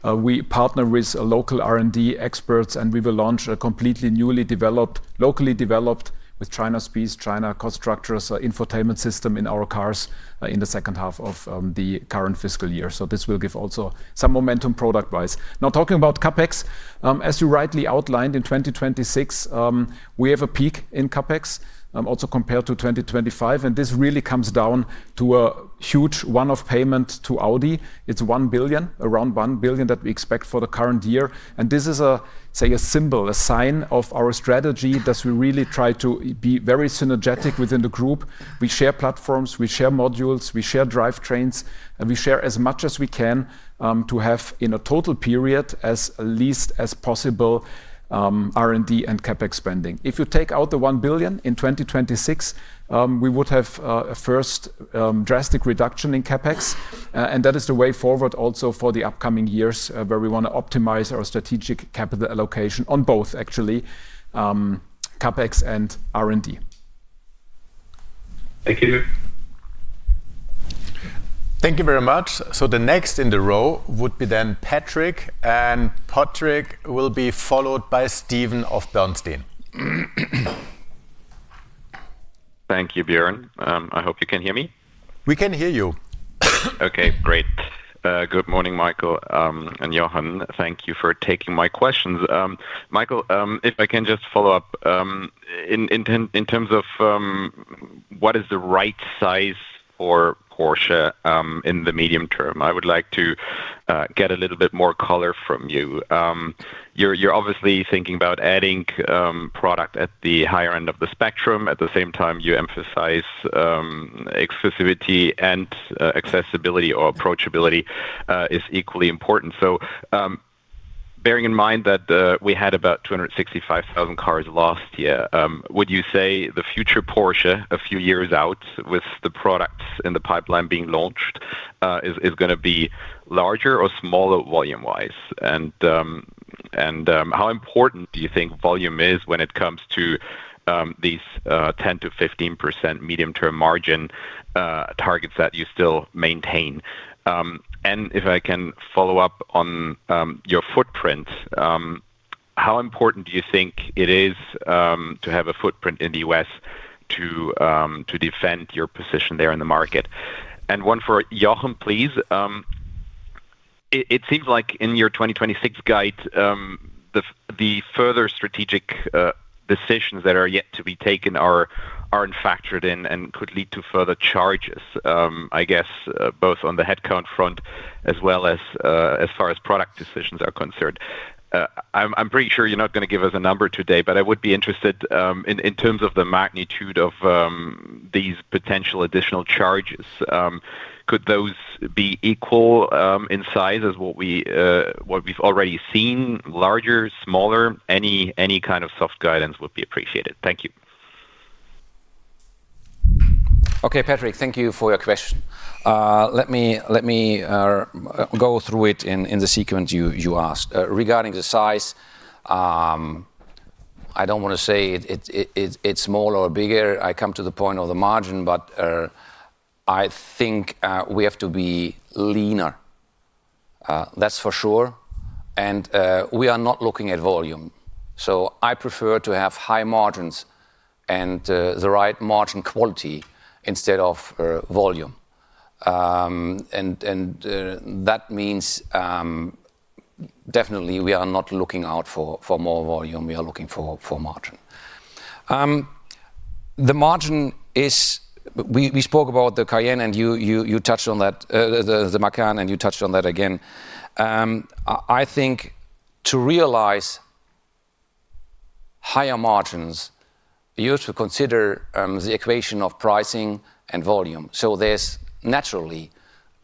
we partner with local R&D experts, and we will launch a completely newly developed, locally developed with China speeds, China cost structures, infotainment system in our cars in the second half of the current fiscal year. This will give also some momentum product-wise. Now, talking about CapEx, as you rightly outlined, in 2026 we have a peak in CapEx also compared to 2025, and this really comes down to a huge one-off payment to Audi. It's 1 billion, around 1 billion that we expect for the current year. This is a symbol, a sign of our strategy that we really try to be very synergistic within the group. We share platforms, we share modules, we share drivetrains, and we share as much as we can to have in a total period as little as possible R&D and CapEx spending. If you take out the 1 billion in 2026, we would have a first drastic reduction in CapEx, and that is the way forward also for the upcoming years, where we wanna optimize our strategic capital allocation on both actually CapEx and R&D. Thank you. Thank you very much. The next in the row would be then Patrick, and Patrick will be followed by Stephen of Bernstein. Thank you, Björn. I hope you can hear me. We can hear you. Okay, great. Good morning, Michael, and Jochen. Thank you for taking my questions. Michael, if I can just follow up, in terms of what is the right size for Porsche in the medium term? I would like to get a little bit more color from you. You're obviously thinking about adding product at the higher end of the spectrum. At the same time, you emphasize exclusivity and accessibility or approachability is equally important. Bearing in mind that we had about 265,000 cars last year, would you say the future Porsche, a few years out, with the products in the pipeline being launched, is gonna be larger or smaller volume-wise? How important do you think volume is when it comes to these 10%-15% medium-term margin targets that you still maintain? If I can follow up on your footprint, how important do you think it is to have a footprint in the U.S. to defend your position there in the market? One for Jochen, please. It seems like in your 2026 guide, the further strategic decisions that are yet to be taken aren't factored in and could lead to further charges, I guess, both on the headcount front as well as far as product decisions are concerned. I'm pretty sure you're not gonna give us a number today, but I would be interested in terms of the magnitude of these potential additional charges, could those be equal in size as what we've already seen? Larger? Smaller? Any kind of soft guidance would be appreciated. Thank you. Okay, Patrick, thank you for your question. Let me go through it in the sequence you asked. Regarding the size, I don't wanna say it's smaller or bigger. I come to the point of the margin, but I think we have to be leaner. That's for sure. We are not looking at volume, so I prefer to have high margins and the right margin quality instead of volume. That means definitely we are not looking out for more volume, we are looking for margin. The margin, we spoke about the Cayenne and you touched on that. The Macan, and you touched on that again. I think to realize higher margins, you have to consider the equation of pricing and volume. There's naturally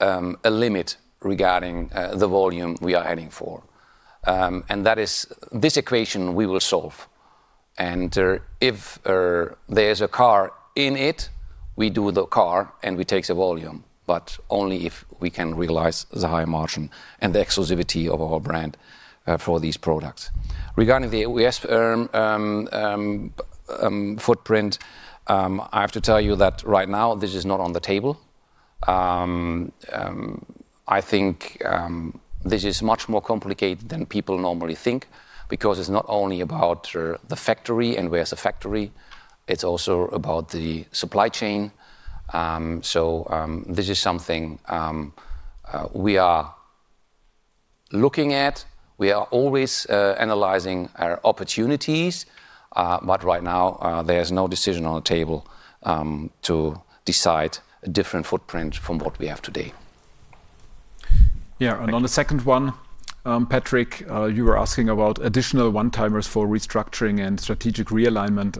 a limit regarding the volume we are heading for. That is this equation we will solve. If there's a car in it, we do the car, and we take the volume, but only if we can realize the higher margin and the exclusivity of our brand for these products. Regarding the U.S. footprint, I have to tell you that right now this is not on the table. I think this is much more complicated than people normally think because it's not only about the factory and where's the factory, it's also about the supply chain. This is something we are looking at. We are always analyzing our opportunities, but right now, there's no decision on the table to decide a different footprint from what we have today. Yeah. On the second one, Patrick, you were asking about additional one-timers for restructuring and strategic realignment.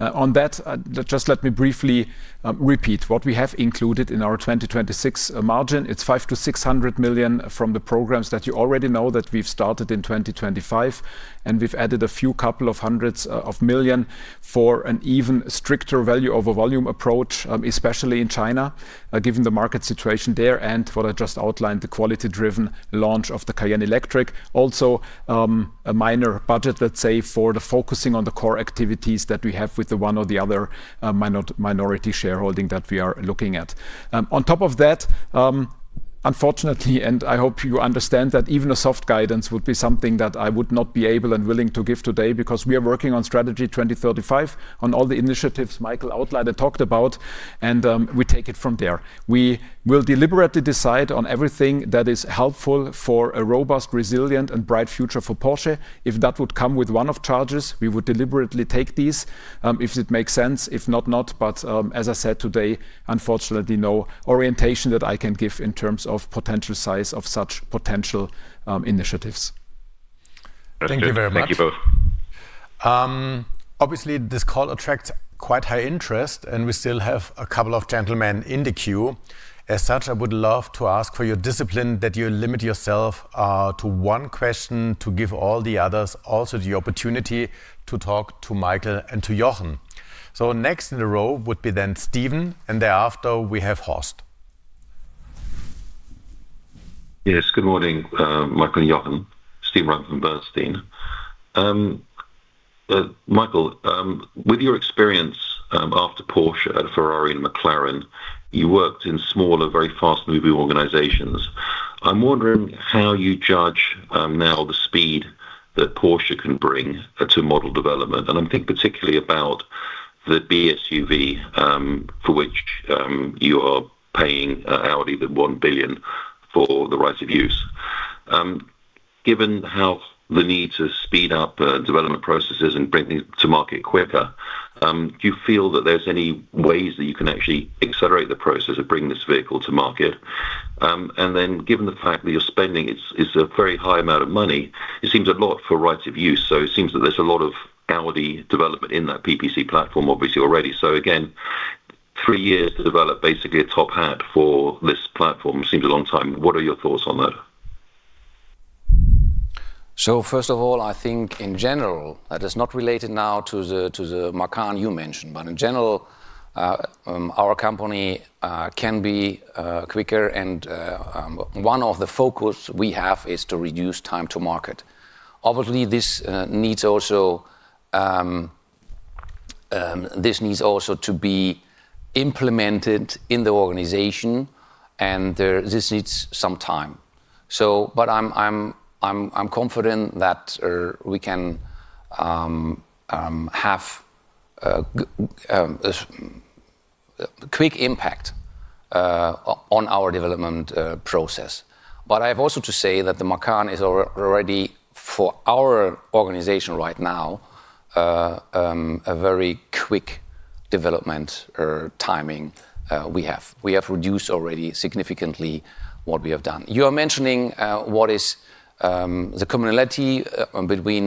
On that, just let me briefly repeat. What we have included in our 2026 margin, it's 500-600 million from the programs that you already know that we've started in 2025, and we've added a few couple of hundreds of million for an even stricter value over volume approach, especially in China, given the market situation there and what I just outlined, the quality-driven launch of the Cayenne Electric. Also, a minor budget, let's say, for focusing on the core activities that we have with the one or the other minority shareholding that we are looking at. On top of that, unfortunately, and I hope you understand that even a soft guidance would be something that I would not be able and willing to give today because we are working on Strategy 2035 on all the initiatives Michael outlined and talked about, and we take it from there. We will deliberately decide on everything that is helpful for a robust, resilient, and bright future for Porsche. If that would come with one-off charges, we would deliberately take these, if it makes sense. If not. As I said today, unfortunately, no orientation that I can give in terms of potential size of such potential initiatives. Thank you very much. Thank you both. Obviously, this call attracts quite high interest, and we still have a couple of gentlemen in the queue. As such, I would love to ask for your discipline that you limit yourself to one question to give all the others also the opportunity to talk to Michael and to Jochen. Next in the row would be then Stephen, and thereafter, we have Horst. Yes. Good morning, Michael and Jochen. Stephen Reitman, Bernstein. Michael, with your experience after Porsche at Ferrari and McLaren, you worked in smaller, very fast-moving organizations. I'm wondering how you judge now the speed that Porsche can bring to model development, and I'm thinking particularly about the BEV SUV, for which you are paying Audi 1 billion for the rights of use. Given how the need to speed up development processes and bring things to market quicker, do you feel that there's any ways that you can actually accelerate the process of bringing this vehicle to market? And then given the fact that your spending is a very high amount of money, it seems a lot for rights of use, so it seems that there's a lot of Audi development in that PPE platform, obviously, already. Again, three years to develop basically a top hat for this platform seems a long time. What are your thoughts on that? First of all, I think in general, that is not related now to the Macan you mentioned, but in general, our company can be quicker and one of the focus we have is to reduce time to market. Obviously, this needs also to be implemented in the organization, and this needs some time. I'm confident that we can have a quick impact on our development process. But I've also to say that the Macan is already for our organization right now a very quick development or timing we have. We have reduced already significantly what we have done. You are mentioning what is the commonality between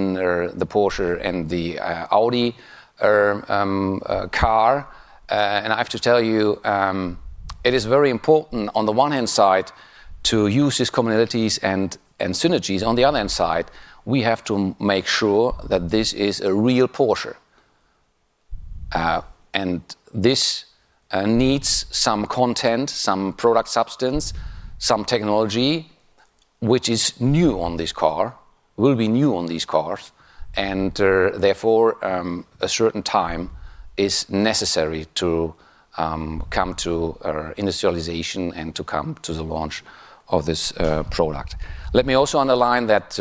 the Porsche and the Audi car. I have to tell you it is very important on the one hand to use these commonalities and synergies. On the other hand, we have to make sure that this is a real Porsche. This needs some content, some product substance, some technology, which is new on this car, will be new on these cars, and therefore a certain time is necessary to come to industrialization and to come to the launch of this product. Let me also underline that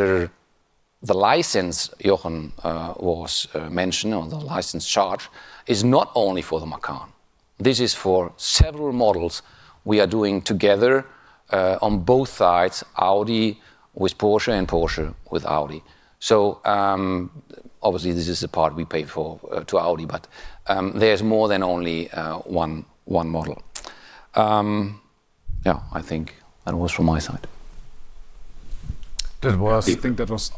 the license Jochen was mentioning or the license charge is not only for the Macan. This is for several models we are doing together on both sides, Audi with Porsche and Porsche with Audi. Obviously, this is the part we pay for to Audi, but there's more than only one model. Yeah, I think that was from my side. That was- I think that was.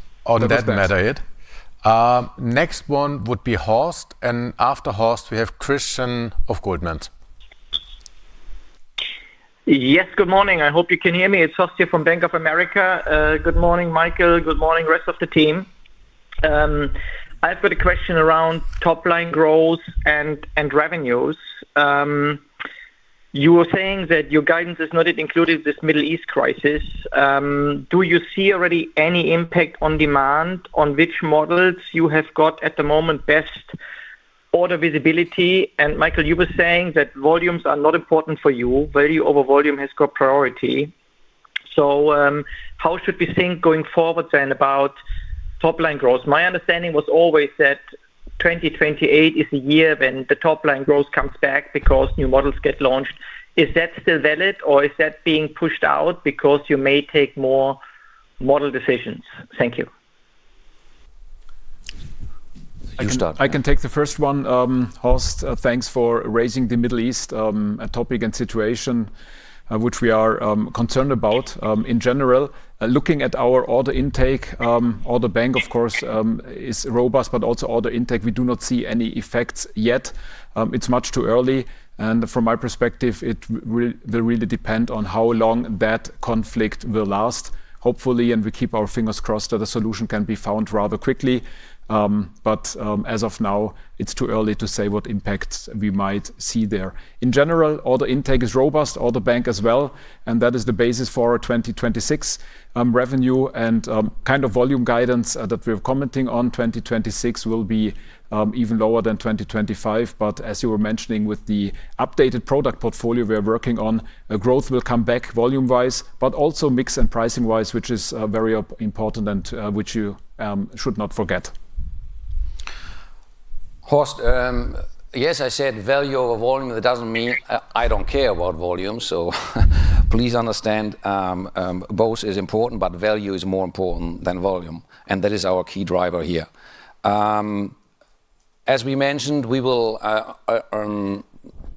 Next one would be Horst, and after Horst, we have Christian of Goldman. Yes, good morning. I hope you can hear me. It's Horst here from Bank of America. Good morning, Michael. Good morning, rest of the team. I've got a question around top-line growth and revenues. You were saying that your guidance has not included this Middle East crisis. Do you see already any impact on demand, on which models you have got at the moment best order visibility? Michael, you were saying that volumes are not important for you. Value over volume has got priority. How should we think going forward then about top-line growth? My understanding was always that 2028 is the year when the top-line growth comes back because new models get launched. Is that still valid, or is that being pushed out because you may take more model decisions? Thank you. You start. I can take the first one. Horst, thanks for raising the Middle East topic and situation, which we are concerned about. In general, looking at our order intake, order bank, of course, is robust, but also order intake, we do not see any effects yet. It's much too early, and from my perspective, it will really depend on how long that conflict will last. Hopefully, we keep our fingers crossed that a solution can be found rather quickly. As of now, it's too early to say what impacts we might see there. In general, order intake is robust, order bank as well, and that is the basis for our 2026 revenue and kind of volume guidance that we're commenting on. 2026 will be even lower than 2025. As you were mentioning, with the updated product portfolio we are working on, growth will come back volume-wise, but also mix and pricing-wise, which is very important and which you should not forget. Horst, yes, I said value over volume. That doesn't mean I don't care about volume. Please understand, both is important, but value is more important than volume, and that is our key driver here. As we mentioned, we will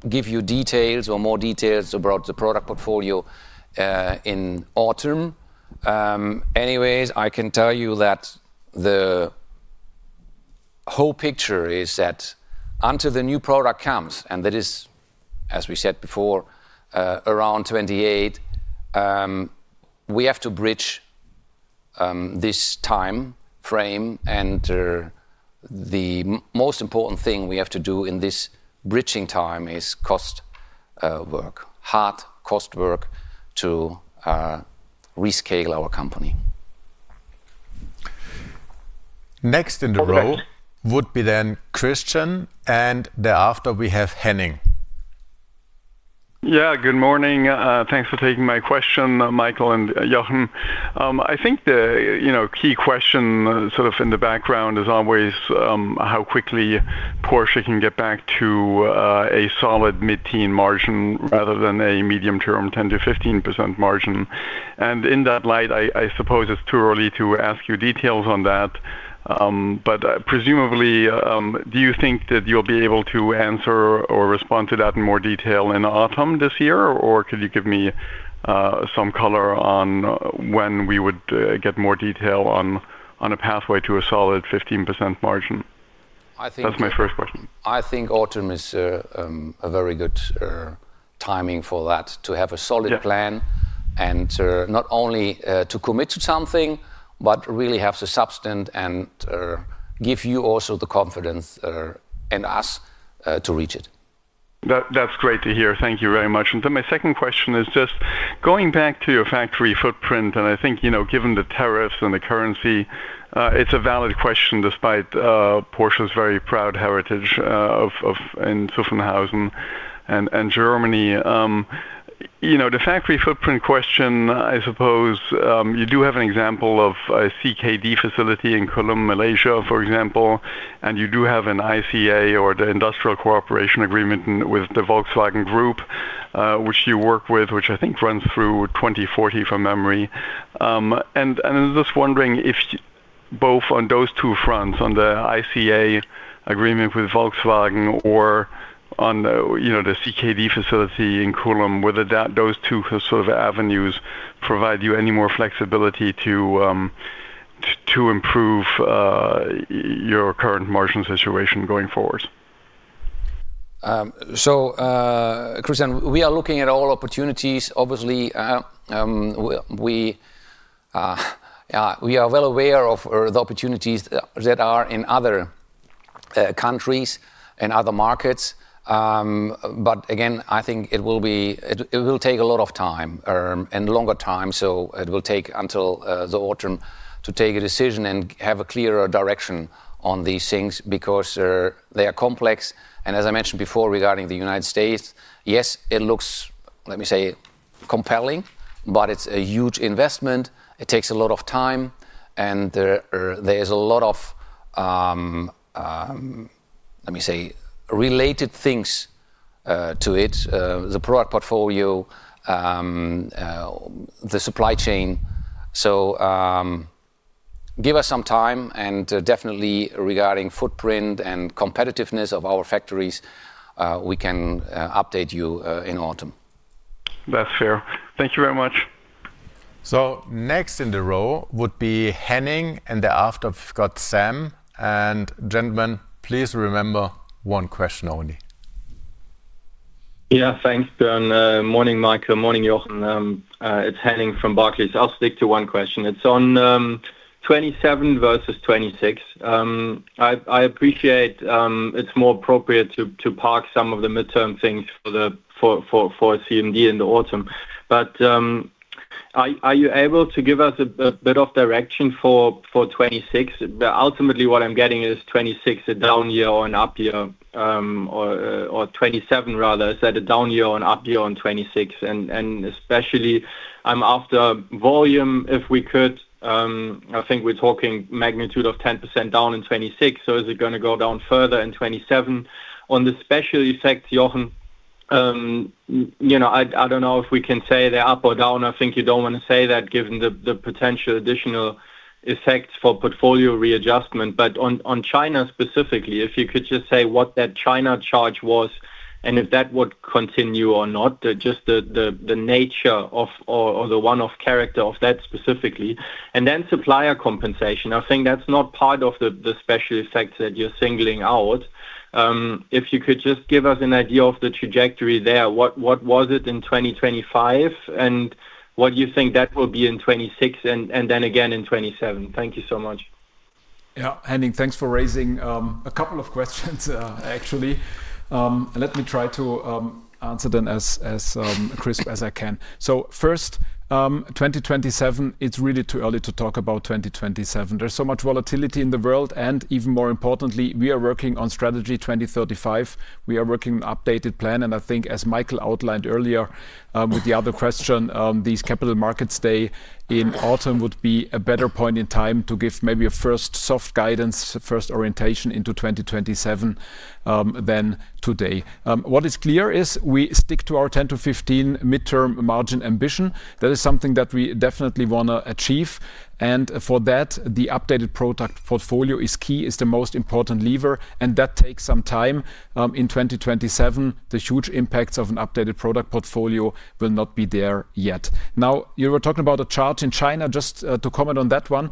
give you details or more details about the product portfolio in autumn. Anyways, I can tell you that the whole picture is that until the new product comes, and that is, as we said before, around 2028, we have to bridge this time frame. The most important thing we have to do in this bridging time is hard cost work to rescale our company. Next in the row would be then Christian, and thereafter we have Henning. Yeah. Good morning. Thanks for taking my question, Michael and Jochen. I think the key question sort of in the background is always how quickly Porsche can get back to a solid mid-teen margin rather than a medium-term 10%-15% margin. In that light, I suppose it's too early to ask you details on that, but presumably, do you think that you'll be able to answer or respond to that in more detail in autumn this year? Or could you give me some color on when we would get more detail on a pathway to a solid 15% margin? I think- That's my first question. I think autumn is a very good timing for that, to have a solid plan. Yeah And to not only commit to something, but really have the substance and give you also the confidence in us to reach it. That's great to hear. Thank you very much. My second question is just going back to your factory footprint, and I think, you know, given the tariffs and the currency, it's a valid question, despite Porsche's very proud heritage in Zuffenhausen and Germany. You know, the factory footprint question, I suppose, you do have an example of a CKD facility in Kulim, Malaysia, for example. You do have an ICA or the Industrial Cooperation Agreement with the Volkswagen Group, which you work with, which I think runs through 2040 from memory. I'm just wondering if both on those two fronts, on the ICA agreement with Volkswagen or on the, you know, the CKD facility in Kulim, whether those two sort of avenues provide you any more flexibility to improve your current margin situation going forward? Christian, we are looking at all opportunities. Obviously, we are well aware of the opportunities that are in other countries and other markets. Again, I think it will take a lot of time and longer time. It will take until the autumn to take a decision and have a clearer direction on these things because they are complex. As I mentioned before regarding the United States, yes, it looks, let me say, compelling, but it's a huge investment. It takes a lot of time, and there is a lot of, let me say, related things to it, the product portfolio, the supply chain. Give us some time, and definitely regarding footprint and competitiveness of our factories, we can update you in autumn. That's fair. Thank you very much. Next in the row would be Henning, and then after we've got Sam. Gentlemen, please remember one question only. Yeah, thanks, Björn. Morning, Michael. Morning, Jochen. It's Henning from Barclays. I'll stick to one question. It's on 2027 versus 2026. I appreciate it's more appropriate to park some of the midterm things for the CMD in the autumn. Are you able to give us a bit of direction for 2026? Ultimately, what I'm getting is 2026, a down year or an up year, or 2027 rather. Is that a down year or an up year on 2026? Especially I'm after volume, if we could. I think we're talking magnitude of 10% down in 2026, so is it gonna go down further in 2027? On the special effects, Jochen, you know, I don't know if we can say they're up or down. I think you don't want to say that given the potential additional effects for portfolio readjustment. On China specifically, if you could just say what that China charge was and if that would continue or not, just the nature of, or the one-off character of that specifically. Then supplier compensation. I think that's not part of the special effects that you're singling out. If you could just give us an idea of the trajectory there, what was it in 2025 and what do you think that will be in 2026 and then again in 2027? Thank you so much. Yeah. Henning, thanks for raising a couple of questions actually. Let me try to answer them as crisp as I can. First, 2027, it's really too early to talk about 2027. There's so much volatility in the world, and even more importantly, we are working on Strategy 2035. We are working on an updated plan, and I think as Michael outlined earlier, with the other question, this Capital Markets Day in autumn would be a better point in time to give maybe a first soft guidance, first orientation into 2027, than today. What is clear is we stick to our 10%-15% midterm margin ambition. That is something that we definitely wanna achieve. For that, the updated product portfolio is key. It's the most important lever, and that takes some time. In 2027, the huge impacts of an updated product portfolio will not be there yet. Now, you were talking about a charge in China. Just to comment on that one,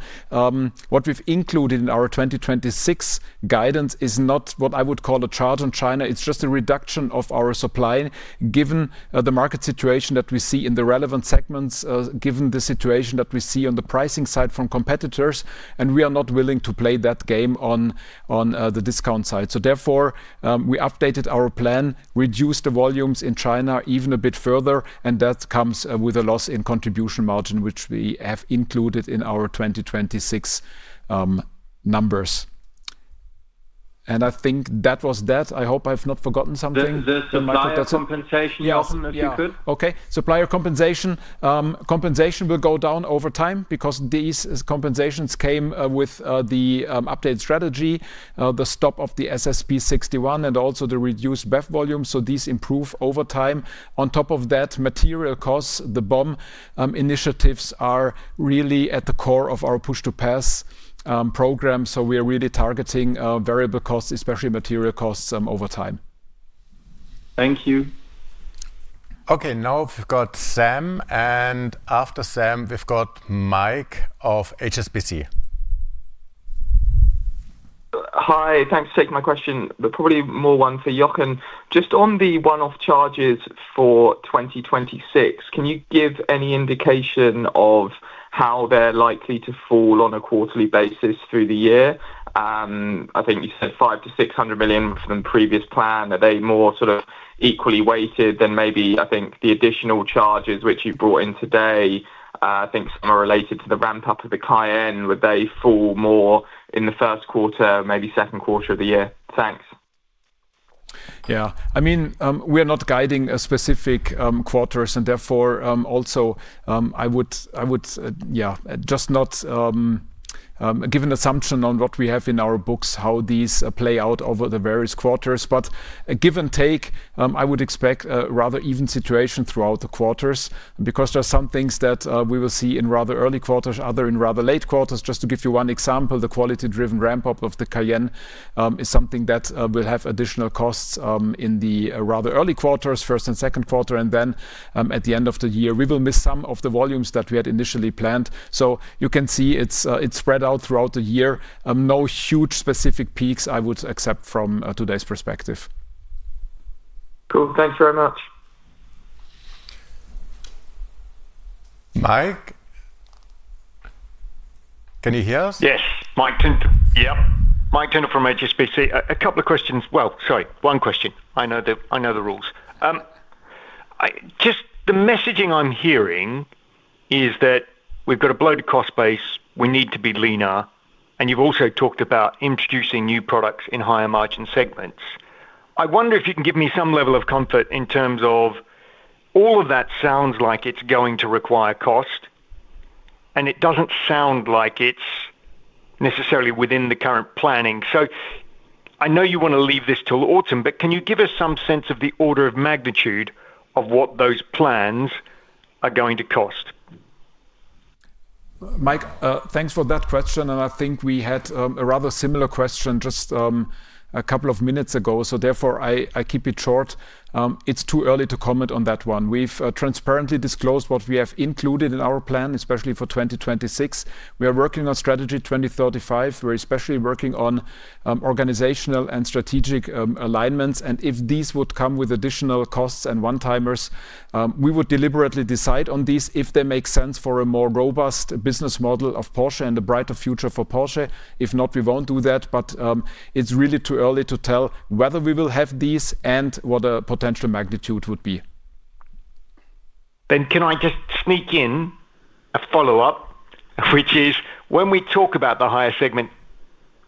what we've included in our 2026 guidance is not what I would call a charge on China. It's just a reduction of our supply given the market situation that we see in the relevant segments, given the situation that we see on the pricing side from competitors, and we are not willing to play that game on the discount side. Therefore, we updated our plan, reduced the volumes in China even a bit further, and that comes with a loss in contribution margin, which we have included in our 2026 numbers. I think that was that. I hope I've not forgotten something. The supplier compensation- Yeah Jochen, if you could. Okay. Supplier compensation will go down over time because these compensations came with the update strategy, the stop of the SSP 61 and also the reduced BEV volume. These improve over time. On top of that, material costs, the BoM initiatives are really at the core of our Push to Pass program. We are really targeting variable costs, especially material costs, over time. Thank you. Okay. Now we've got Sam, and after Sam, we've got Mike of HSBC. Hi, nks for taking my question, but probably more one for Jochen. Just on the one-off charges for 2026, can you give any indication of how they're likely to fall on a quarterly basis through the year? I think you said 500 million-600 million from previous plan. Are they more sort of equally weighted than maybe, I think, the additional charges which you've brought in today? I think some are related to the ramp-up of the Cayenne. Would they fall more in the first quarter, maybe second quarter of the year? Thanks. Yeah. I mean, we are not guiding a specific quarters, and therefore, also, I would yeah, just not give an assumption on what we have in our books, how these play out over the various quarters. Give and take, I would expect a rather even situation throughout the quarters because there are some things that we will see in rather early quarters, others in rather late quarters. Just to give you one example, the quality-driven ramp-up of the Cayenne is something that will have additional costs in the rather early quarters, first and second quarter, and then, at the end of the year, we will miss some of the volumes that we had initially planned. You can see it's spread out throughout the year. No huge specific peaks, I would accept from today's perspective. Cool. Thanks very much. Mike, can you hear us? Yes. Yeah. Michael Tyndall from HSBC. Well, sorry, one question. I know the rules. Just the messaging I'm hearing is that we've got a bloated cost base, we need to be leaner, and you've also talked about introducing new products in higher-margin segments. I wonder if you can give me some level of comfort in terms of all of that sounds like it's going to require cost, and it doesn't sound like it's necessarily within the current planning. I know you wanna leave this till autumn, but can you give us some sense of the order of magnitude of what those plans are going to cost? Mike, thanks for that question, and I think we had a rather similar question just a couple of minutes ago. I keep it short. It's too early to comment on that one. We've transparently disclosed what we have included in our plan, especially for 2026. We are working on Strategy 2035. We're especially working on organizational and strategic alignments, and if these would come with additional costs and one-timers, we would deliberately decide on these if they make sense for a more robust business model of Porsche and a brighter future for Porsche. If not, we won't do that. It's really too early to tell whether we will have these and what a potential magnitude would be. Can I just sneak in a follow-up, which is, when we talk about the higher segment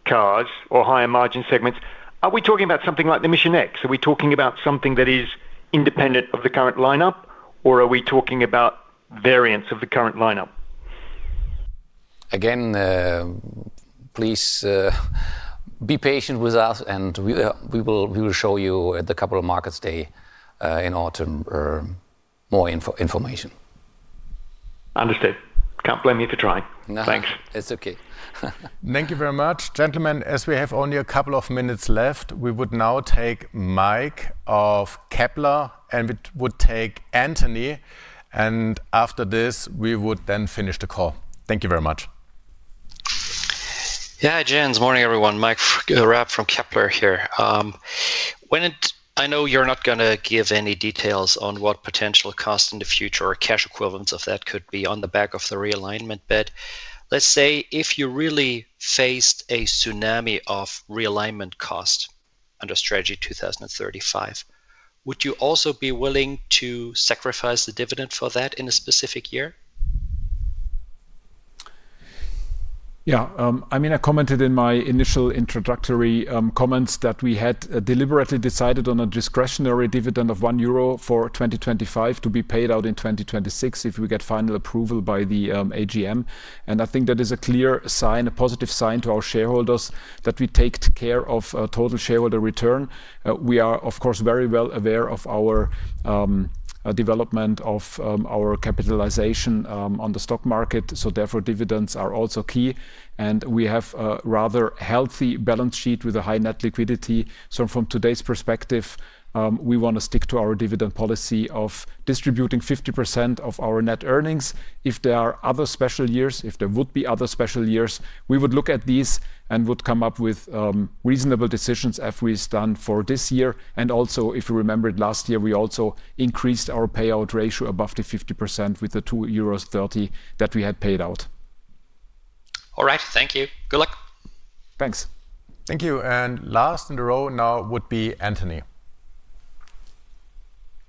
cars or higher-margin segments, are we talking about something like the Mission X? Are we talking about something that is independent of the current lineup, or are we talking about variants of the current lineup? Again, please be patient with us, and we will show you at the Capital Markets Day in autumn more information. Understood. Can't blame me for trying. No. Thanks. It's okay. Thank you very much. Gentlemen, as we have only a couple of minutes left, we would now take Mike of Kepler, and we would take Anthony and after this, we would then finish the call. Thank you very much. Yeah, gents. Morning, everyone. Mike Raab from Kepler here. I know you're not gonna give any details on what potential cost in the future or cash equivalents of that could be on the back of the realignment, but let's say if you really faced a tsunami of realignment cost under Strategy 2035, would you also be willing to sacrifice the dividend for that in a specific year? Yeah. I mean, I commented in my initial introductory comments that we had deliberately decided on a discretionary dividend of 1 euro for 2025 to be paid out in 2026, if we get final approval by the AGM. I think that is a clear sign, a positive sign to our shareholders that we take care of total shareholder return. We are, of course, very well aware of our development of our capitalization on the stock market, so therefore, dividends are also key. We have a rather healthy balance sheet with a high net liquidity. From today's perspective, we wanna stick to our dividend policy of distributing 50% of our net earnings. If there are other special years, we would look at these and would come up with reasonable decisions as we've done for this year. If you remember it last year, we also increased our payout ratio above the 50% with the 2.30 euros that we had paid out. All right. Thank you. Good luck. Thanks. Thank you. Last in the row now would be Anthony.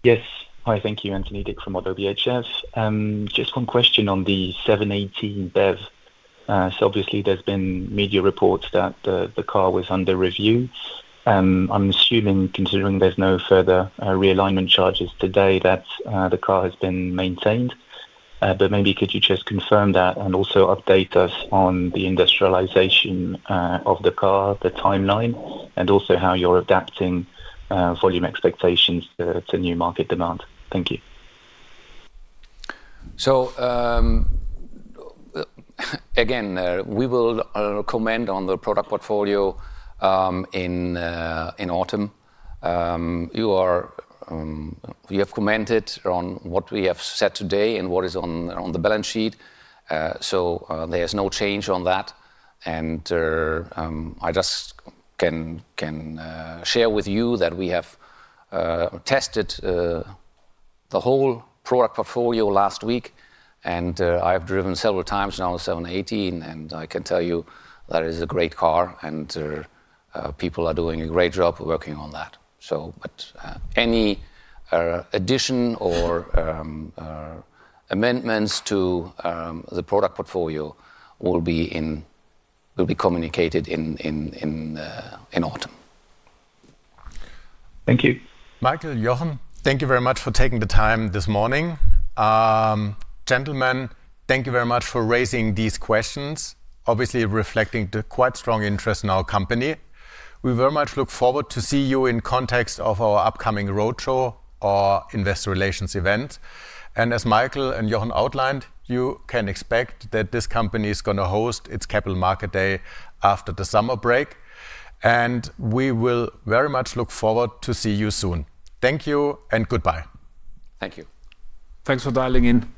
Yes. Hi, thank you. Anthony Dick from ODDO BHF. Just one question on the 718 BEV. Obviously there's been media reports that the car was under review. I'm assuming, considering there's no further realignment charges today, that the car has been maintained. Maybe could you just confirm that and also update us on the industrialization of the car, the timeline, and also how you're adapting volume expectations to new market demand? Thank you. Again, we will comment on the product portfolio in autumn. We have commented on what we have said today and what is on the balance sheet. There's no change on that. I just can share with you that we have tested the whole product portfolio last week, and I have driven several times now the 718 and I can tell you that is a great car and people are doing a great job working on that. Any addition or amendments to the product portfolio will be communicated in autumn. Thank you. Michael, Jochen, thank you very much for taking the time this morning. Gentlemen, thank you very much for raising these questions, obviously reflecting the quite strong interest in our company. We very much look forward to see you in context of our upcoming roadshow or investor relations event. As Michael and Jochen outlined, you can expect that this company is gonna host its Capital Markets Day after the summer break, and we will very much look forward to see you soon. Thank you and goodbye. Thank you. Thanks for dialing in.